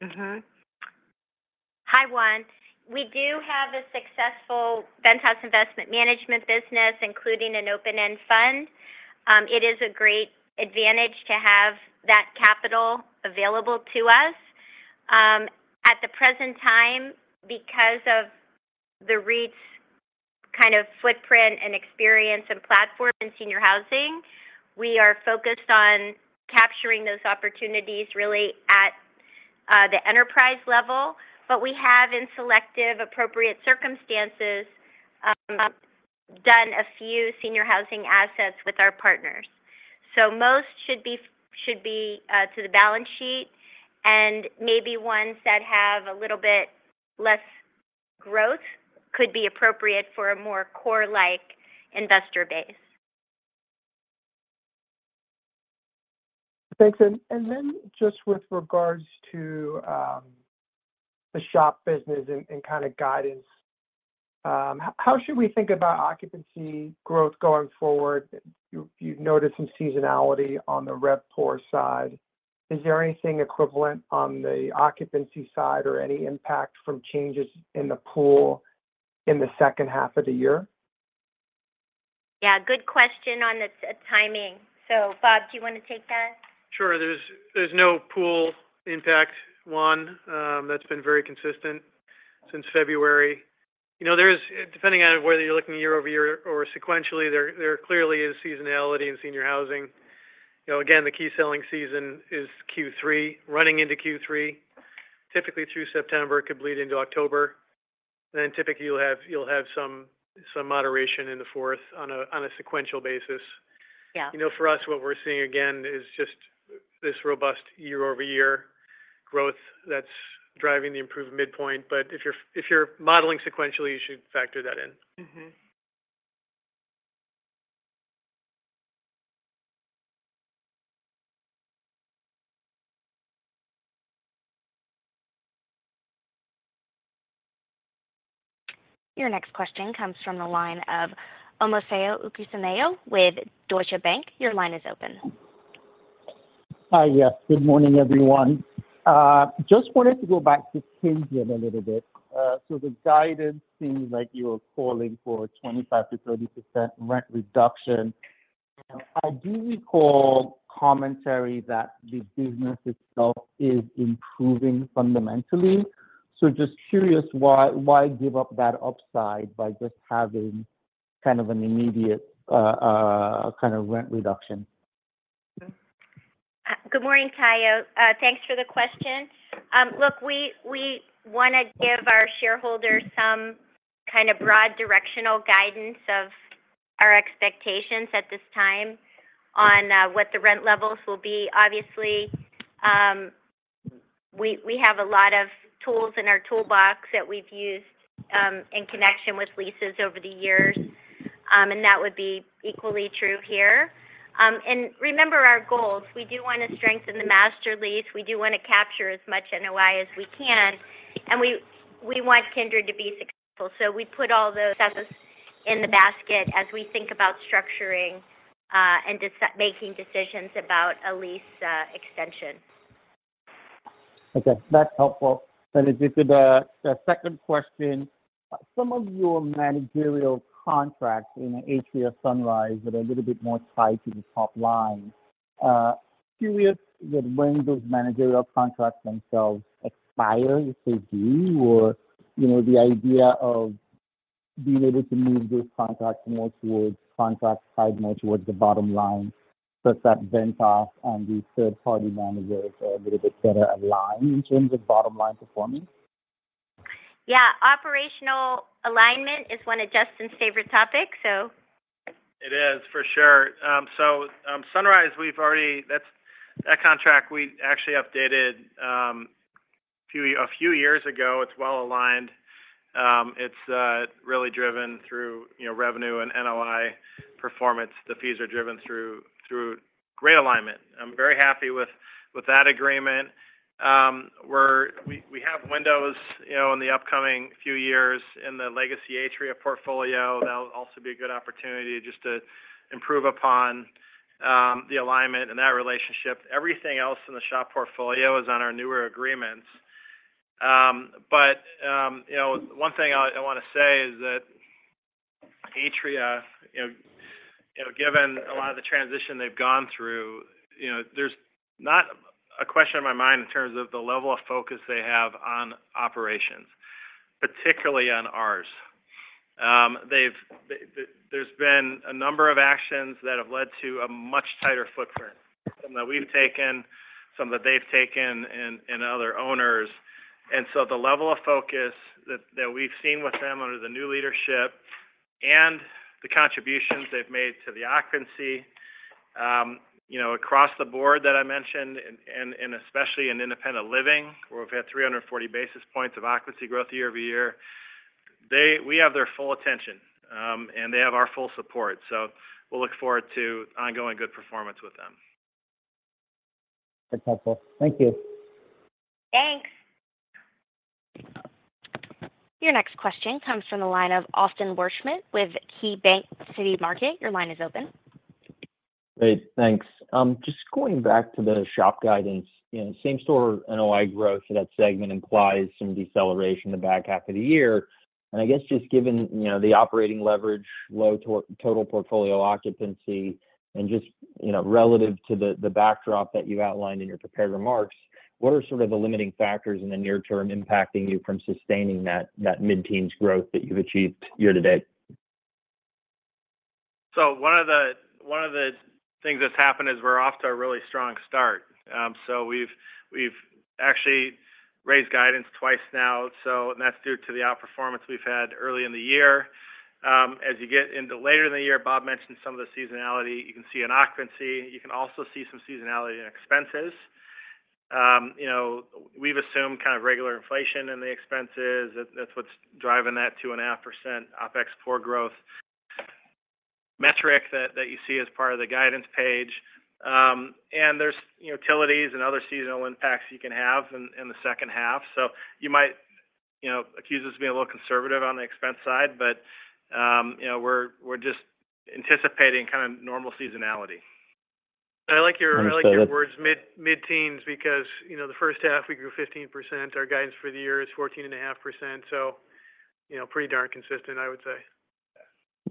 C: Hi, Juan. We do have a successful Ventas Investment Management business, including an open-end fund. It is a great advantage to have that capital available to us. At the present time, because of the REIT's kind of footprint and experience and platform in senior housing, we are focused on capturing those opportunities really at the enterprise level. But we have, in selective appropriate circumstances, done a few senior housing assets with our partners. So most should be to the balance sheet, and maybe ones that have a little bit less growth could be appropriate for a more core-like investor base.
K: Thanks. And then just with regards to the SHOP business and kind of guidance, how should we think about occupancy growth going forward? You've noticed some seasonality on the RevPOR side. Is there anything equivalent on the occupancy side or any impact from changes in the pool in the second half of the year?
C: Yeah, good question on the timing. So, Bob, do you want to take that?
E: Sure. There's no pool impact, Juan. That's been very consistent since February. Depending on whether you're looking year-over-year or sequentially, there clearly is seasonality in senior housing. Again, the key selling season is Q3, running into Q3. Typically, through September, it could bleed into October. Then typically, you'll have some moderation in the fourth on a sequential basis. For us, what we're seeing again is just this robust year-over-year growth that's driving the improved midpoint. But if you're modeling sequentially, you should factor that in.
A: Your next question comes from the line of Omotayo Okusanya with Deutsche Bank. Your line is open.
L: Hi, yes. Good morning, everyone. Just wanted to go back to Kindred a little bit. So the guidance seems like you were calling for a 25%-30% rent reduction. I do recall commentary that the business itself is improving fundamentally. So just curious, why give up that upside by just having kind of an immediate kind of rent reduction?
C: Good morning, Omotayo. Thanks for the question. Look, we want to give our shareholders some kind of broad directional guidance of our expectations at this time on what the rent levels will be. Obviously, we have a lot of tools in our toolbox that we've used in connection with leases over the years, and that would be equally true here. Remember our goals. We do want to strengthen the master lease. We do want to capture as much NOI as we can. And we want Kindred to be successful. So we put all those efforts in the basket as we think about structuring and making decisions about a lease extension.
L: Okay. That's helpful. And if you could, a second question. Some of your managerial contracts in our SHOP, Sunrise that are a little bit more tied to the top line. Curious that when those managerial contracts themselves expire, so do you, or the idea of being able to move those contracts more towards contracts tied more towards the bottom line such that Ventas and the third-party managers are a little bit better aligned in terms of bottom-line performing?
C: Yeah. Operational alignment is one of Justin's favorite topics, so.
D: It is, for sure. So Sunrise, that contract, we actually updated a few years ago. It's well aligned. It's really driven through revenue and NOI performance. The fees are driven through great alignment. I'm very happy with that agreement. We have windows in the upcoming few years in the legacy Atria portfolio. That'll also be a good opportunity just to improve upon the alignment and that relationship. Everything else in the SHOP portfolio is on our newer agreements. But one thing I want to say is that Atria, given a lot of the transition they've gone through, there's not a question in my mind in terms of the level of focus they have on operations, particularly on ours. There's been a number of actions that have led to a much tighter footprint, some that we've taken, some that they've taken, and other owners. So the level of focus that we've seen with them under the new leadership and the contributions they've made to the occupancy across the board that I mentioned, and especially in independent living, where we've had 340 basis points of occupancy growth year-over-year, we have their full attention, and they have our full support. So we'll look forward to ongoing good performance with them.
L: That's helpful. Thank you.
C: Thanks.
A: Your next question comes from the line of Austin Wurschmidt with KeyBanc Capital Markets. Your line is open.
M: Great. Thanks. Just going back to the SHOP guidance, same-store NOI growth for that segment implies some deceleration in the back half of the year. And I guess just given the operating leverage, low total portfolio occupancy, and just relative to the backdrop that you outlined in your prepared remarks, what are sort of the limiting factors in the near term impacting you from sustaining that mid-teens growth that you've achieved year to date?
E: So one of the things that's happened is we're off to a really strong start. So we've actually raised guidance twice now, and that's due to the outperformance we've had early in the year. As you get into later in the year, Bob mentioned some of the seasonality. You can see in occupancy. You can also see some seasonality in expenses. We've assumed kind of regular inflation in the expenses. That's what's driving that 2.5% OpEx core growth metric that you see as part of the guidance page. There's utilities and other seasonal impacts you can have in the second half. So you might accuse us of being a little conservative on the expense side, but we're just anticipating kind of normal seasonality. I like your words, mid-teens, because the first half, we grew 15%. Our guidance for the year is 14.5%. So pretty darn consistent, I would say.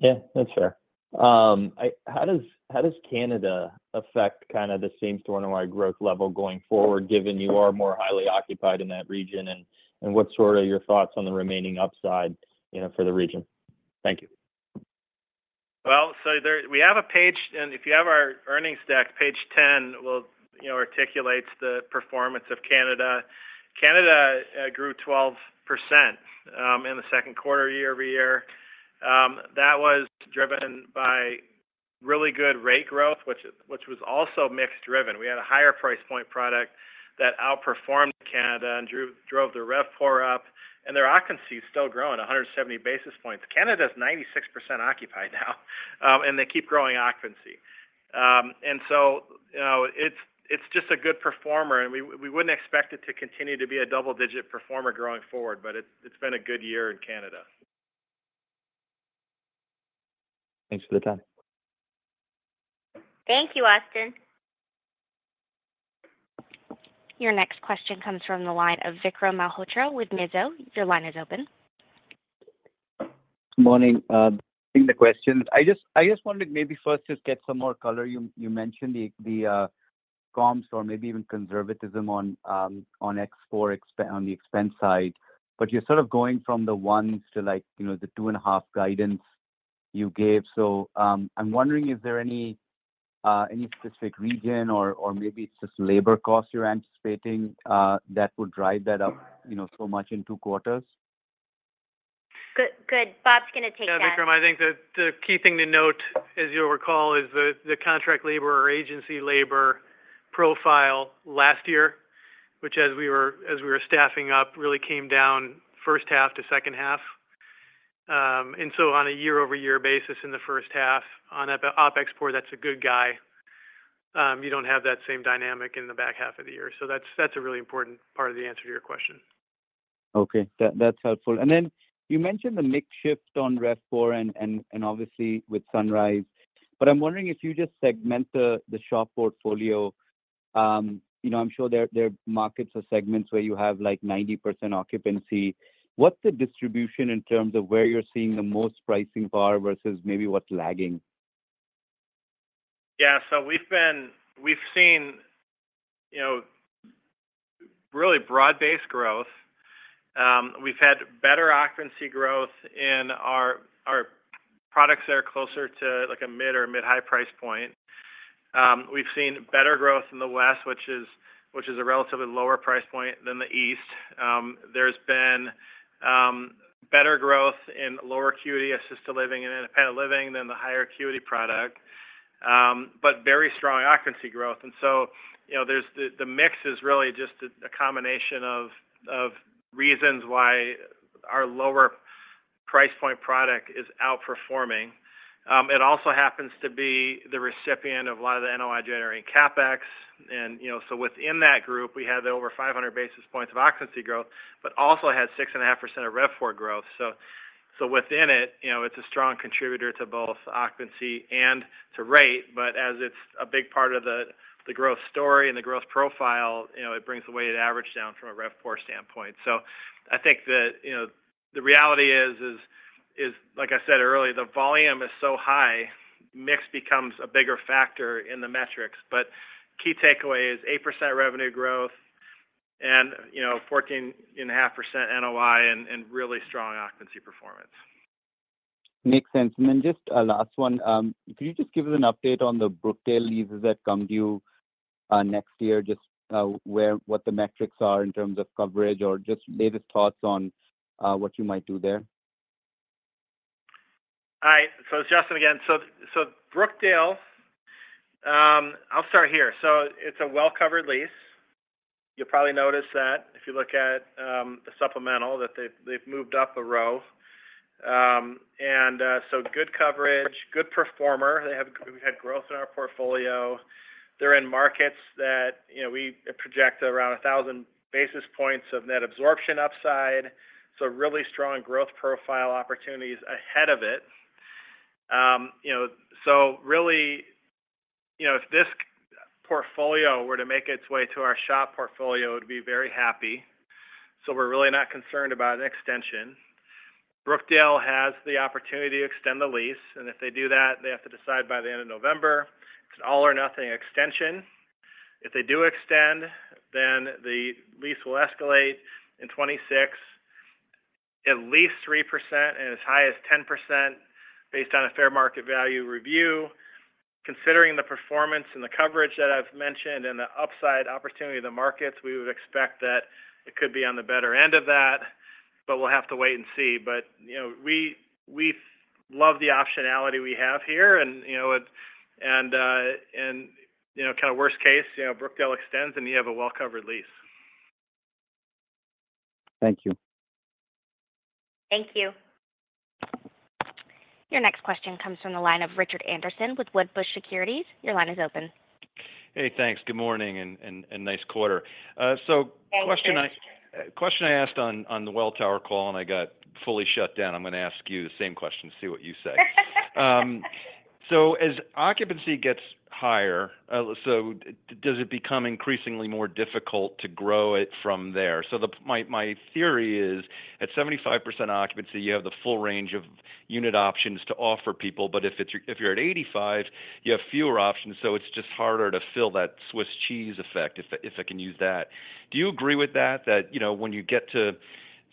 M: Yeah, that's fair. How does Canada affect kind of the same-store NOI growth level going forward, given you are more highly occupied in that region? And what's sort of your thoughts on the remaining upside for the region? Thank you.
E: Well, so we have a page, and if you have our earnings deck, page 10, well, articulates the performance of Canada. Canada grew 12% in the second quarter year-over-year. That was driven by really good rate growth, which was also mix-driven. We had a higher price point product that outperformed Canada and drove the RevPOR up. And their occupancy is still growing, 170 basis points. Canada is 96% occupied now, and they keep growing occupancy. And so it's just a good performer, and we wouldn't expect it to continue to be a double-digit performer going forward, but it's been a good year in Canada.
M: Thanks for the time.
C: Thank you, Austin.
A: Your next question comes from the line of Vikram Malhotra with Mizuho. Your line is open.
N: Good morning. The question, I just wanted maybe first to get some more color. You mentioned the comps or maybe even conservatism on OpExPOR, on the expense side. But you're sort of going from the 1s to the 2.5 guidance you gave. So I'm wondering, is there any specific region or maybe it's just labor costs you're anticipating that would drive that up so much in two quarters?
C: Good. Bob's going to take that.
E: Yeah, Vikram, I think the key thing to note, as you'll recall, is the contract labor or agency labor profile last year, which, as we were staffing up, really came down first half to second half. And so on a year-over-year basis in the first half, on OpExPOR, that's a good guy. You don't have that same dynamic in the back half of the year. So that's a really important part of the answer to your question.
N: Okay. That's helpful. And then you mentioned the mix shift on RevPOR and obviously with Sunrise. But I'm wondering if you just segment the SHOP portfolio. I'm sure there are markets or segments where you have 90% occupancy. What's the distribution in terms of where you're seeing the most pricing power versus maybe what's lagging?
E: Yeah. So we've seen really broad-based growth. We've had better occupancy growth in our products that are closer to a mid or mid-high price point. We've seen better growth in the west, which is a relatively lower price point than the east. There's been better growth in lower acuity assisted living and independent living than the higher acuity product, but very strong occupancy growth. And so the mix is really just a combination of reasons why our lower price point product is outperforming. It also happens to be the recipient of a lot of the NOI generating CapEx. And so within that group, we had over 500 basis points of occupancy growth, but also had 6.5% of RevPOR growth. So within it, it's a strong contributor to both occupancy and to rate. But as it's a big part of the growth story and the growth profile, it brings the weighted average down from a RevPOR standpoint. So I think that the reality is, like I said earlier, the volume is so high, mix becomes a bigger factor in the metrics. But key takeaway is 8% revenue growth and 14.5% NOI and really strong occupancy performance.
N: Makes sense. And then just a last one. Could you just give us an update on the Brookdale leases that come due next year, just what the metrics are in terms of coverage or just latest thoughts on what you might do there?
D: Hi. So it's Justin again. So Brookdale, I'll start here. So it's a well-covered lease. You'll probably notice that if you look at the supplemental, that they've moved up a row. And so good coverage, good performer. We've had growth in our portfolio. They're in markets that we project around 1,000 basis points of net absorption upside. So really strong growth profile opportunities ahead of it. So really, if this portfolio were to make its way to our SHOP portfolio, it would be very happy. So we're really not concerned about an extension. Brookdale has the opportunity to extend the lease. And if they do that, they have to decide by the end of November. It's an all-or-nothing extension. If they do extend, then the lease will escalate in 2026 at least 3% and as high as 10% based on a fair market value review. Considering the performance and the coverage that I've mentioned and the upside opportunity of the markets, we would expect that it could be on the better end of that, but we'll have to wait and see. But we love the optionality we have here. And kind of worst case, Brookdale extends and you have a well-covered lease.
M: Thank you.
A: Thank you. Your next question comes from the line of Richard Anderson with Wedbush Securities. Your line is open.
O: Hey, thanks. Good morning and nice quarter. So question I asked on the Welltower call and I got fully shut down. I'm going to ask you the same question to see what you say. So as occupancy gets higher, so does it become increasingly more difficult to grow it from there? So my theory is at 75% occupancy, you have the full range of unit options to offer people. But if you're at 85%, you have fewer options. So it's just harder to fill that Swiss cheese effect, if I can use that. Do you agree with that, that when you get to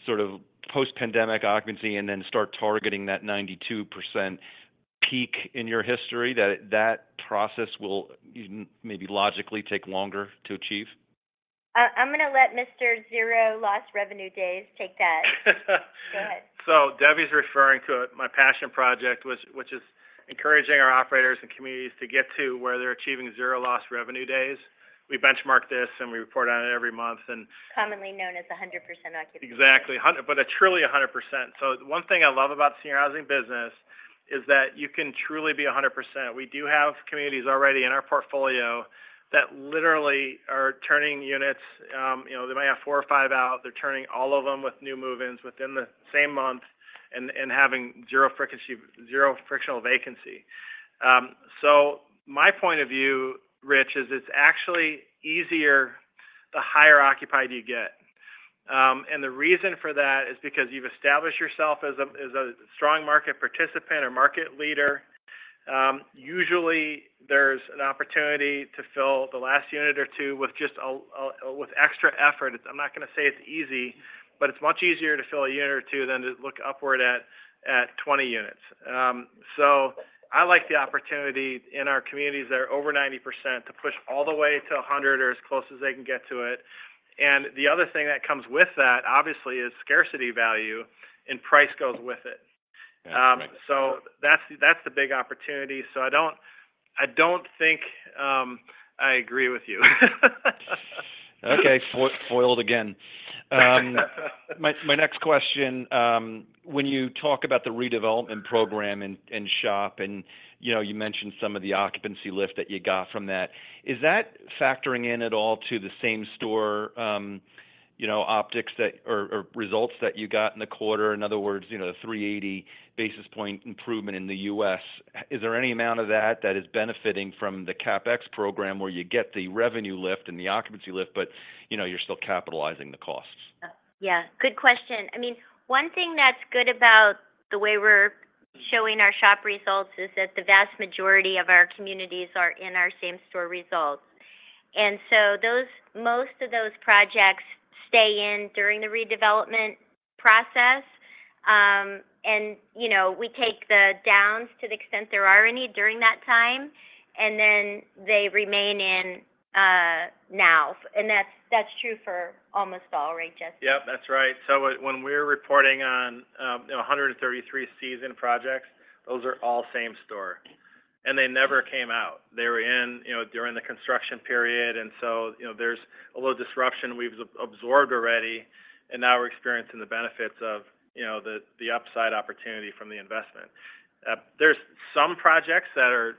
O: sort of post-pandemic occupancy and then start targeting that 92% peak in your history, that that process will maybe logically take longer to achieve?
C: I'm going to let Mr. zero lost revenue days take that. Go ahead.
D: So Debbie's referring to my passion project, which is encouraging our operators and communities to get to where they're achieving zero loss revenue days. We benchmark this and we report on it every month.
C: And commonly known as 100% occupancy.
D: Exactly. But a truly 100%. So one thing I love about the senior housing business is that you can truly be 100%. We do have communities already in our portfolio that literally are turning units. They might have four or five out. They're turning all of them with new move-ins within the same month and having zero frictional vacancy. So my point of view, Rich, is it's actually easier the higher occupied you get. And the reason for that is because you've established yourself as a strong market participant or market leader. Usually, there's an opportunity to fill the last unit or two with just extra effort. I'm not going to say it's easy, but it's much easier to fill a unit or two than to look upward at 20 units. So I like the opportunity in our communities that are over 90% to push all the way to 100% or as close as they can get to it. And the other thing that comes with that, obviously, is scarcity value and price goes with it. So that's the big opportunity. So I don't think I agree with you.
O: Okay. Spoiled again. My next question, when you talk about the redevelopment program in SHOP and you mentioned some of the occupancy lift that you got from that, is that factoring in at all to the same store optics or results that you got in the quarter? In other words, the 380 basis point improvement in the U.S., is there any amount of that that is benefiting from the CapEx program where you get the revenue lift and the occupancy lift, but you're still capitalizing the costs?
C: Yeah. Good question. I mean, one thing that's good about the way we're showing our SHOP results is that the vast majority of our communities are in our same-store results. And so most of those projects stay in during the redevelopment process. And we take the downs to the extent there are any during that time, and then they remain in now. That's true for almost all, right, Justin?
D: Yep. That's right. So when we're reporting on 133 seasoned projects, those are all same-store. And they never came out. They were in during the construction period. And so there's a little disruption we've absorbed already, and now we're experiencing the benefits of the upside opportunity from the investment. There's some projects that are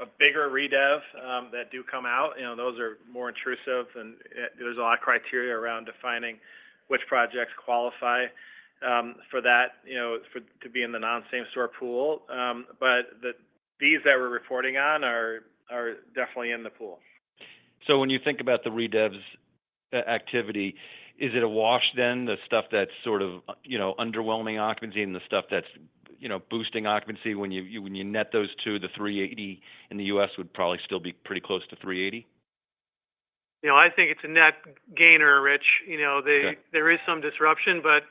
D: a bigger redev that do come out. Those are more intrusive, and there's a lot of criteria around defining which projects qualify for that to be in the non-same-store pool. But these that we're reporting on are definitely in the pool.
O: So when you think about the redev's activity, is it a wash then? The stuff that's sort of underwhelming occupancy and the stuff that's boosting occupancy when you net those two, the 380 in the US would probably still be pretty close to 380?
D: I think it's a net gainer, Rich. There is some disruption, but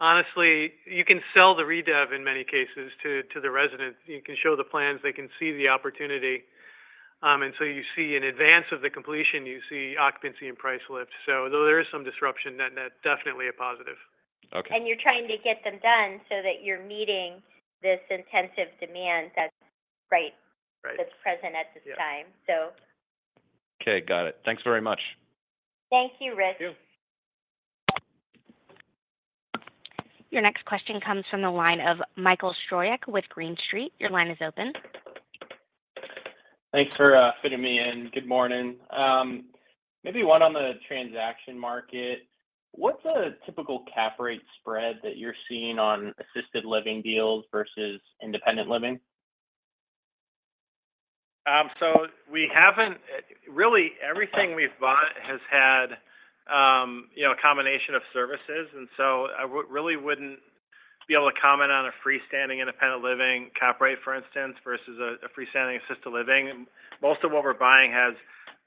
D: honestly, you can sell the redev in many cases to the residents. You can show the plans. They can see the opportunity. And so you see in advance of the completion, you see occupancy and price lift. So though there is some disruption, that's definitely a positive.
C: And you're trying to get them done so that you're meeting this intensive demand that's present at this time, so.
O: Okay. Got it. Thanks very much.
C: Thank you, Rich. Thank you.
A: Your next question comes from the line of Michael Stryer with Green Street. Your line is open.
P: Thanks for fitting me in. Good morning. Maybe one on the transaction market. What's a typical cap rate spread that you're seeing on assisted living deals versus independent living?
D: So really, everything we've bought has had a combination of services. I really wouldn't be able to comment on a freestanding independent living cap rate, for instance, versus a freestanding assisted living. Most of what we're buying has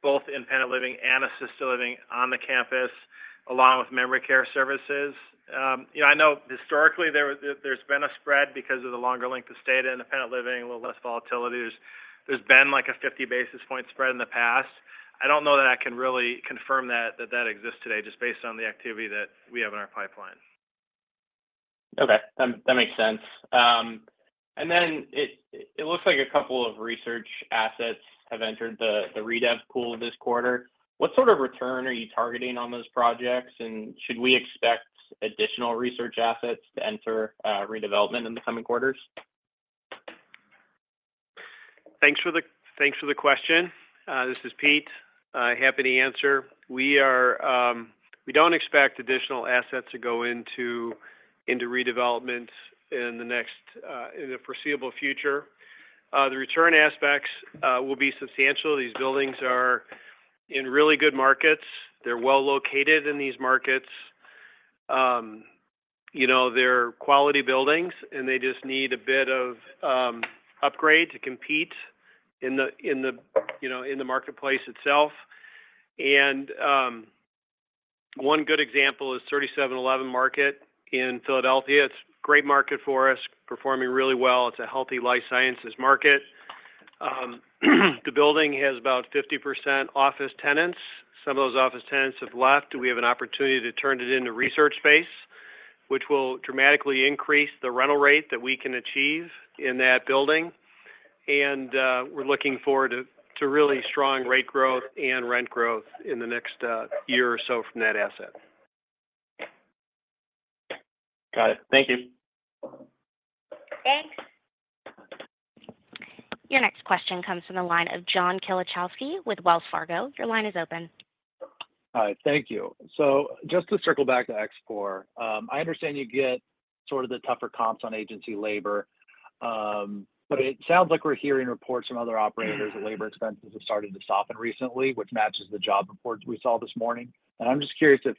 D: both independent living and assisted living on the campus along with memory care services. I know historically there's been a spread because of the longer length of stay to independent living, a little less volatility. There's been a 50 basis points spread in the past. I don't know that I can really confirm that that exists today just based on the activity that we have in our pipeline.
P: Okay. That makes sense. And then it looks like a couple of research assets have entered the redev pool this quarter. What sort of return are you targeting on those projects? And should we expect additional research assets to enter redevelopment in the coming quarters?
Q: Thanks for the question. This is Pete. I'm happy to answer. We don't expect additional assets to go into redevelopment in the foreseeable future. The return aspects will be substantial. These buildings are in really good markets. They're well located in these markets. They're quality buildings, and they just need a bit of upgrade to compete in the marketplace itself. And one good example is 3711 Market in Philadelphia. It's a great market for us, performing really well. It's a healthy life sciences market. The building has about 50% office tenants. Some of those office tenants have left. We have an opportunity to turn it into research space, which will dramatically increase the rental rate that we can achieve in that building. And we're looking forward to really strong rate growth and rent growth in the next year or so from that asset.
P: Got it. Thank you.
C: Thanks.
A: Your next question comes from the line of John Kilichowski with Wells Fargo. Your line is open.
R: All right. Thank you. So just to circle back to OpExPOR, I understand you get sort of the tougher comps on agency labor, but it sounds like we're hearing reports from other operators that labor expenses have started to soften recently, which matches the job reports we saw this morning. And I'm just curious if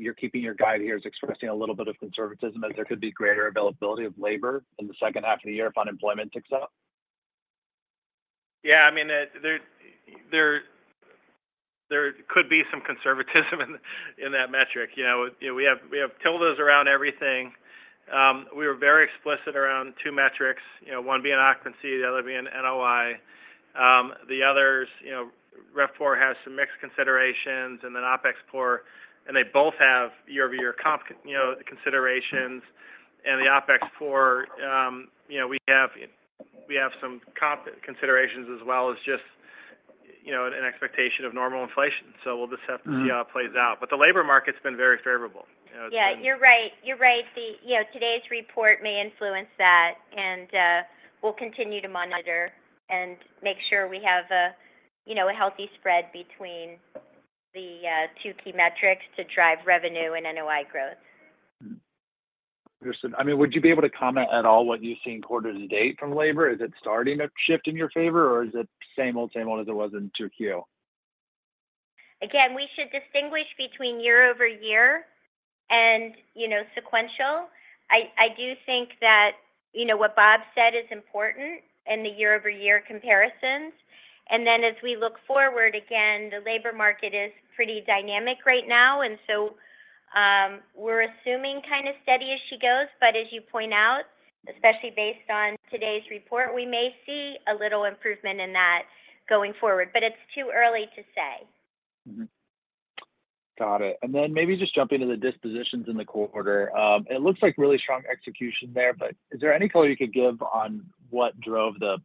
R: you're keeping your guide here as expressing a little bit of conservatism as there could be greater availability of labor in the second half of the year if unemployment ticks up.
E: Yeah. I mean, there could be some conservatism in that metric. We have tildes around everything. We were very explicit around two metrics, one being occupancy, the other being NOI. The others, RevPOR has some mixed considerations, and then OpExPOR, and they both have year-over-year considerations. And the OpExPOR, we have some considerations as well as just an expectation of normal inflation. So we'll just have to see how it plays out. But the labor market's been very favorable.
C: Yeah. You're right. You're right. Today's report may influence that, and we'll continue to monitor and make sure we have a healthy spread between the two key metrics to drive revenue and NOI growth.
R: Understood. I mean, would you be able to comment at all what you've seen quarter to date from labor? Is it starting to shift in your favor, or is it same old, same old as it was in 2Q?
C: Again, we should distinguish between year-over-year and sequential. I do think that what Bob said is important in the year-over-year comparisons. And then as we look forward, again, the labor market is pretty dynamic right now. And so we're assuming kind of steady as she goes. But as you point out, especially based on today's report, we may see a little improvement in that going forward, but it's too early to say.
R: Got it. And then maybe just jumping to the dispositions in the quarter. It looks like really strong execution there, but is there any color you could give on what drove the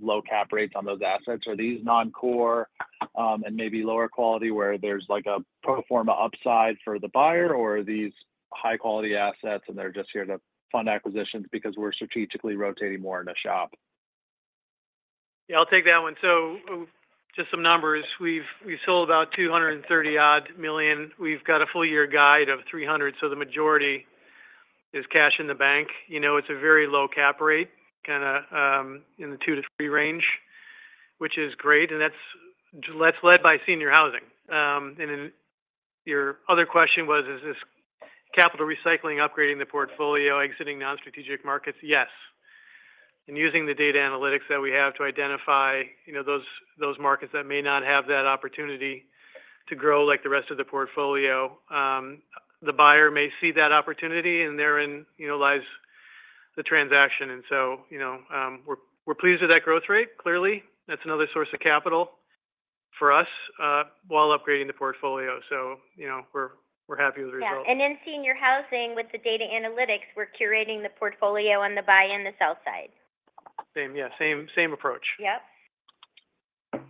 R: low cap rates on those assets? Are these non-core and maybe lower quality where there's a pro forma upside for the buyer, or are these high-quality assets and they're just here to fund acquisitions because we're strategically rotating more in a SHOP?
E: Yeah. I'll take that one. So just some numbers. We've sold about $230-odd million. We've got a full-year guide of $300. So the majority is cash in the bank. It's a very low cap rate, kind of in the 2-3 range, which is great. And that's led by senior housing. And your other question was, is this capital recycling, upgrading the portfolio, exiting non-strategic markets? Yes. And using the data analytics that we have to identify those markets that may not have that opportunity to grow like the rest of the portfolio, the buyer may see that opportunity and therein lies the transaction. And so we're pleased with that growth rate. Clearly, that's another source of capital for us while upgrading the portfolio. So we're happy with the result.
C: Yeah. And then senior housing with the data analytics, we're curating the portfolio on the buy and the sell side. Same.
E: Yeah. Same approach.
R: Yep.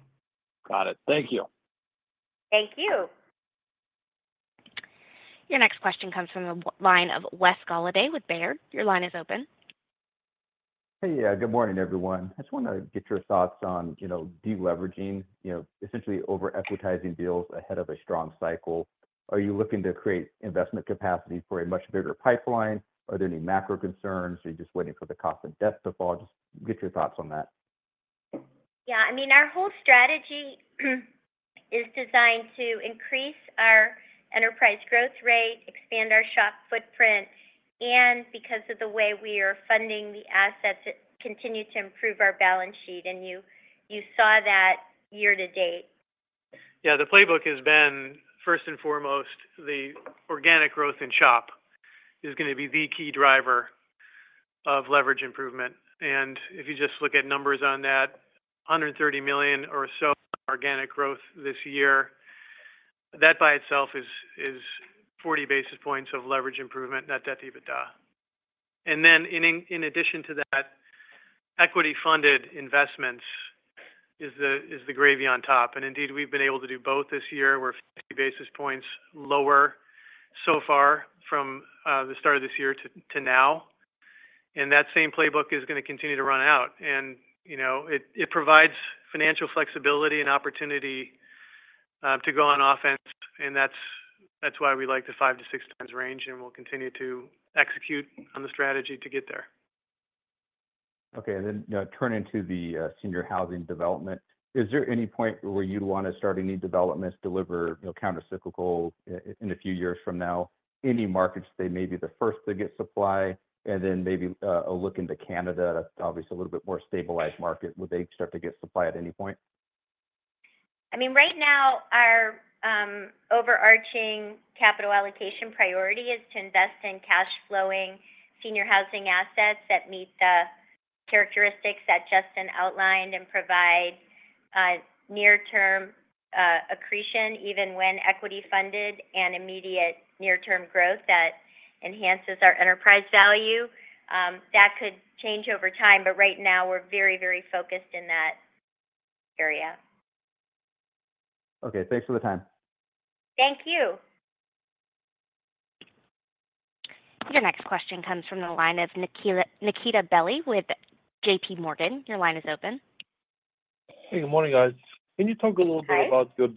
R: Got it. Thank you.
C: Thank you.
A: Your next question comes from the line of Wes Golladay with Baird. Your line is open.
S: Hey. Good morning, everyone. I just want to get your thoughts on deleveraging, essentially over-equitizing deals ahead of a strong cycle. Are you looking to create investment capacity for a much bigger pipeline? Are there any macro concerns? Are you just waiting for the cost of debt to fall? Just get your thoughts on that.
C: Yeah. I mean, our whole strategy is designed to increase our enterprise growth rate, expand our SHOP footprint, and because of the way we are funding the assets, continue to improve our balance sheet. And you saw that year to date.
E: Yeah. The playbook has been, first and foremost, the organic growth in SHOP is going to be the key driver of leverage improvement. And if you just look at numbers on that, $130 million or so organic growth this year, that by itself is 40 basis points of leverage improvement, but that tidbit there. Then in addition to that, equity-funded investments is the gravy on top. Indeed, we've been able to do both this year. We're 50 basis points lower so far from the start of this year to now. That same playbook is going to continue to run out. It provides financial flexibility and opportunity to go on offense. That's why we like the five to six times range, and we'll continue to execute on the strategy to get there.
S: Okay. Then turn into the senior housing development. Is there any point where you'd want to start any developments, deliver countercyclical in a few years from now? Any markets that they may be the first to get supply, and then maybe a look into Canada, obviously a little bit more stabilized market, would they start to get supply at any point?
C: I mean, right now, our overarching capital allocation priority is to invest in cash-flowing senior housing assets that meet the characteristics that Justin outlined and provide near-term accretion, even when equity-funded, and immediate near-term growth that enhances our enterprise value. That could change over time, but right now, we're very, very focused in that area.
S: Okay. Thanks for the time.
C: Thank you.
A: Your next question comes from the line of Nikita Bely with J.P. Morgan. Your line is open.
T: Hey. Good morning, guys. Can you talk a little bit about your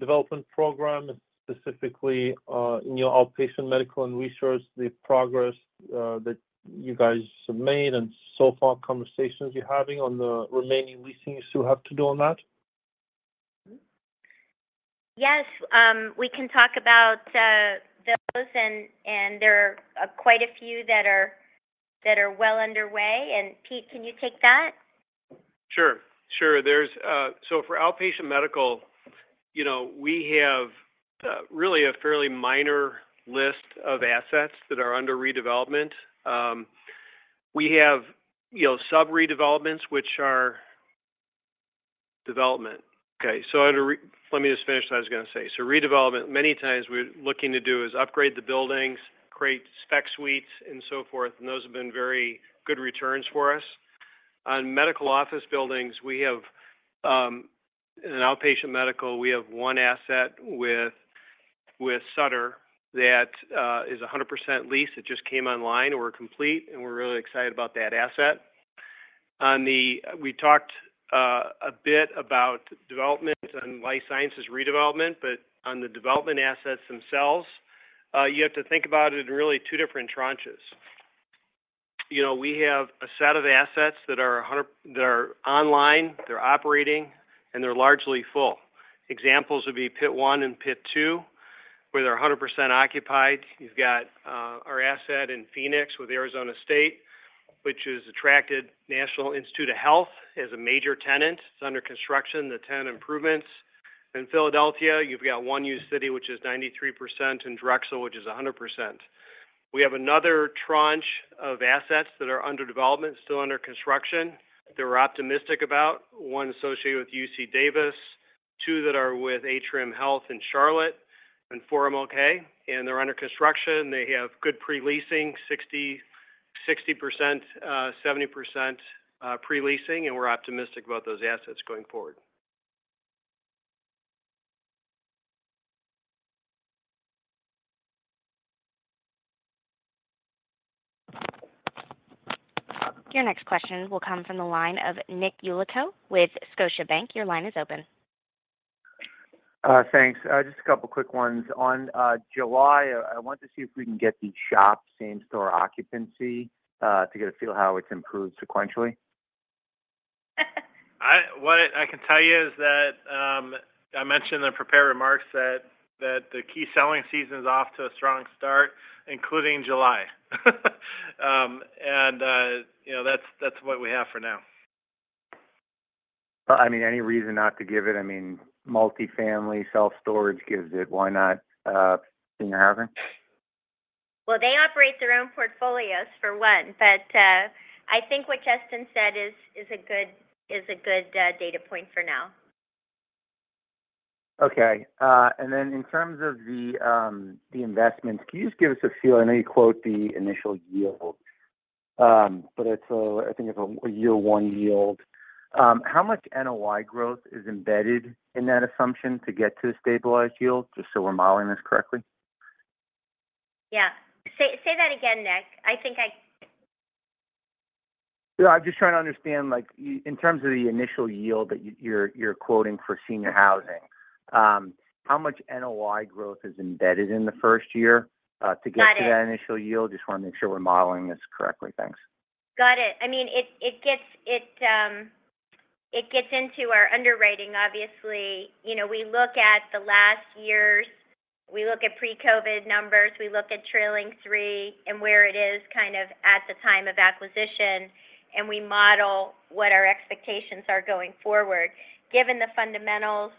T: development program, specifically in your outpatient medical and research, the progress that you guys have made and so far conversations you're having on the remaining leasing you still have to do on that?
C: Yes. We can talk about those, and there are quite a few that are well underway. And Pete, can you take that?
Q: Sure. Sure. So for outpatient medical, we have really a fairly minor list of assets that are under redevelopment. We have sub-redevelopments, which are development. Okay. So let me just finish what I was going to say. So redevelopment, many times we're looking to do is upgrade the buildings, create spec suites, and so forth, and those have been very good returns for us. On medical office buildings, we have in outpatient medical, we have one asset with Sutter that is 100% leased. It just came online or complete, and we're really excited about that asset. We talked a bit about development and life sciences redevelopment, but on the development assets themselves, you have to think about it in really two different tranches. We have a set of assets that are online, they're operating, and they're largely full. Examples would be Pitt 1 and Pitt 2, where they're 100% occupied. You've got our asset in Phoenix with Arizona State University, which is attracted National Institutes of Health as a major tenant. It's under construction, the tenant improvements. In Philadelphia, you've got One uCity, which is 93%, and Drexel University, which is 100%. We have another tranche of assets that are under development, still under construction. They're optimistic about one associated with UC Davis, two that are with Atrium Health in Charlotte, and 4 MLK. And they're under construction. They have good pre-leasing, 60%, 70% pre-leasing, and we're optimistic about those assets going forward.
A: Your next question will come from the line of Nick Yulico with Scotiabank. Your line is open.
U: Thanks. Just a couple of quick ones. On July, I want to see if we can get the SHOP same-store occupancy to get a feel how it's improved sequentially.
E: What I can tell you is that I mentioned in the prepared remarks that the key selling season is off to a strong start, including July. And that's what we have for now.
U: I mean, any reason not to give it? I mean, multifamily self-storage gives it. Why not? Senior housing?
C: Well, they operate their own portfolios for one, but I think what Justin said is a good data point for now.
U: Okay. And then in terms of the investments, can you just give us a feel? I know you quote the initial yield, but I think it's a year-one yield. How much NOI growth is embedded in that assumption to get to a stabilized yield? Just so we're modeling this correctly.
C: Yeah. Say that again, Nick. I think I.
U: Yeah. I'm just trying to understand in terms of the initial yield that you're quoting for senior housing, how much NOI growth is embedded in the first year to get to that initial yield? Just want to make sure we're modeling this correctly. Thanks.
C: Got it. I mean, it gets into our underwriting, obviously. We look at the last year's, we look at pre-COVID numbers, we look at trailing three, and where it is kind of at the time of acquisition, and we model what our expectations are going forward. Given the fundamentals,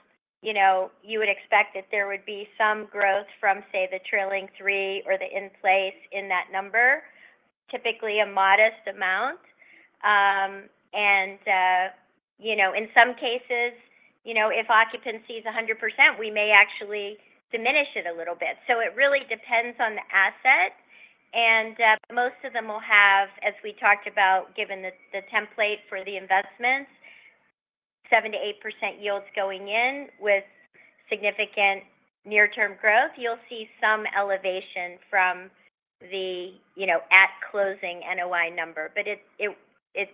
C: you would expect that there would be some growth from, say, the trailing three or the in-place in that number, typically a modest amount. And in some cases, if occupancy is 100%, we may actually diminish it a little bit. So it really depends on the asset. And most of them will have, as we talked about, given the template for the investments, 7%-8% yields going in with significant near-term growth. You'll see some elevation from the at-closing NOI number, but it's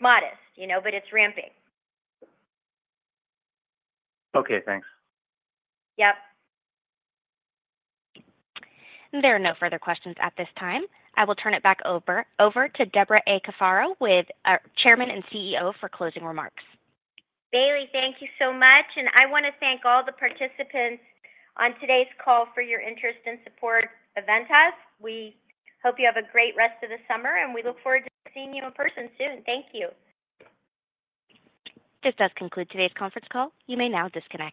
C: modest, but it's ramping.
U: Okay. Thanks.
C: Yep.
A: There are no further questions at this time. I will turn it back over to Debra A. Cafaro, Chairman and CEO, for closing remarks.
C: Bailey, thank you so much. And I want to thank all the participants on today's call for your interest and support of Ventas. We hope you have a great rest of the summer, and we look forward to seeing you in person soon. Thank you.
A: This does conclude today's conference call. You may now disconnect.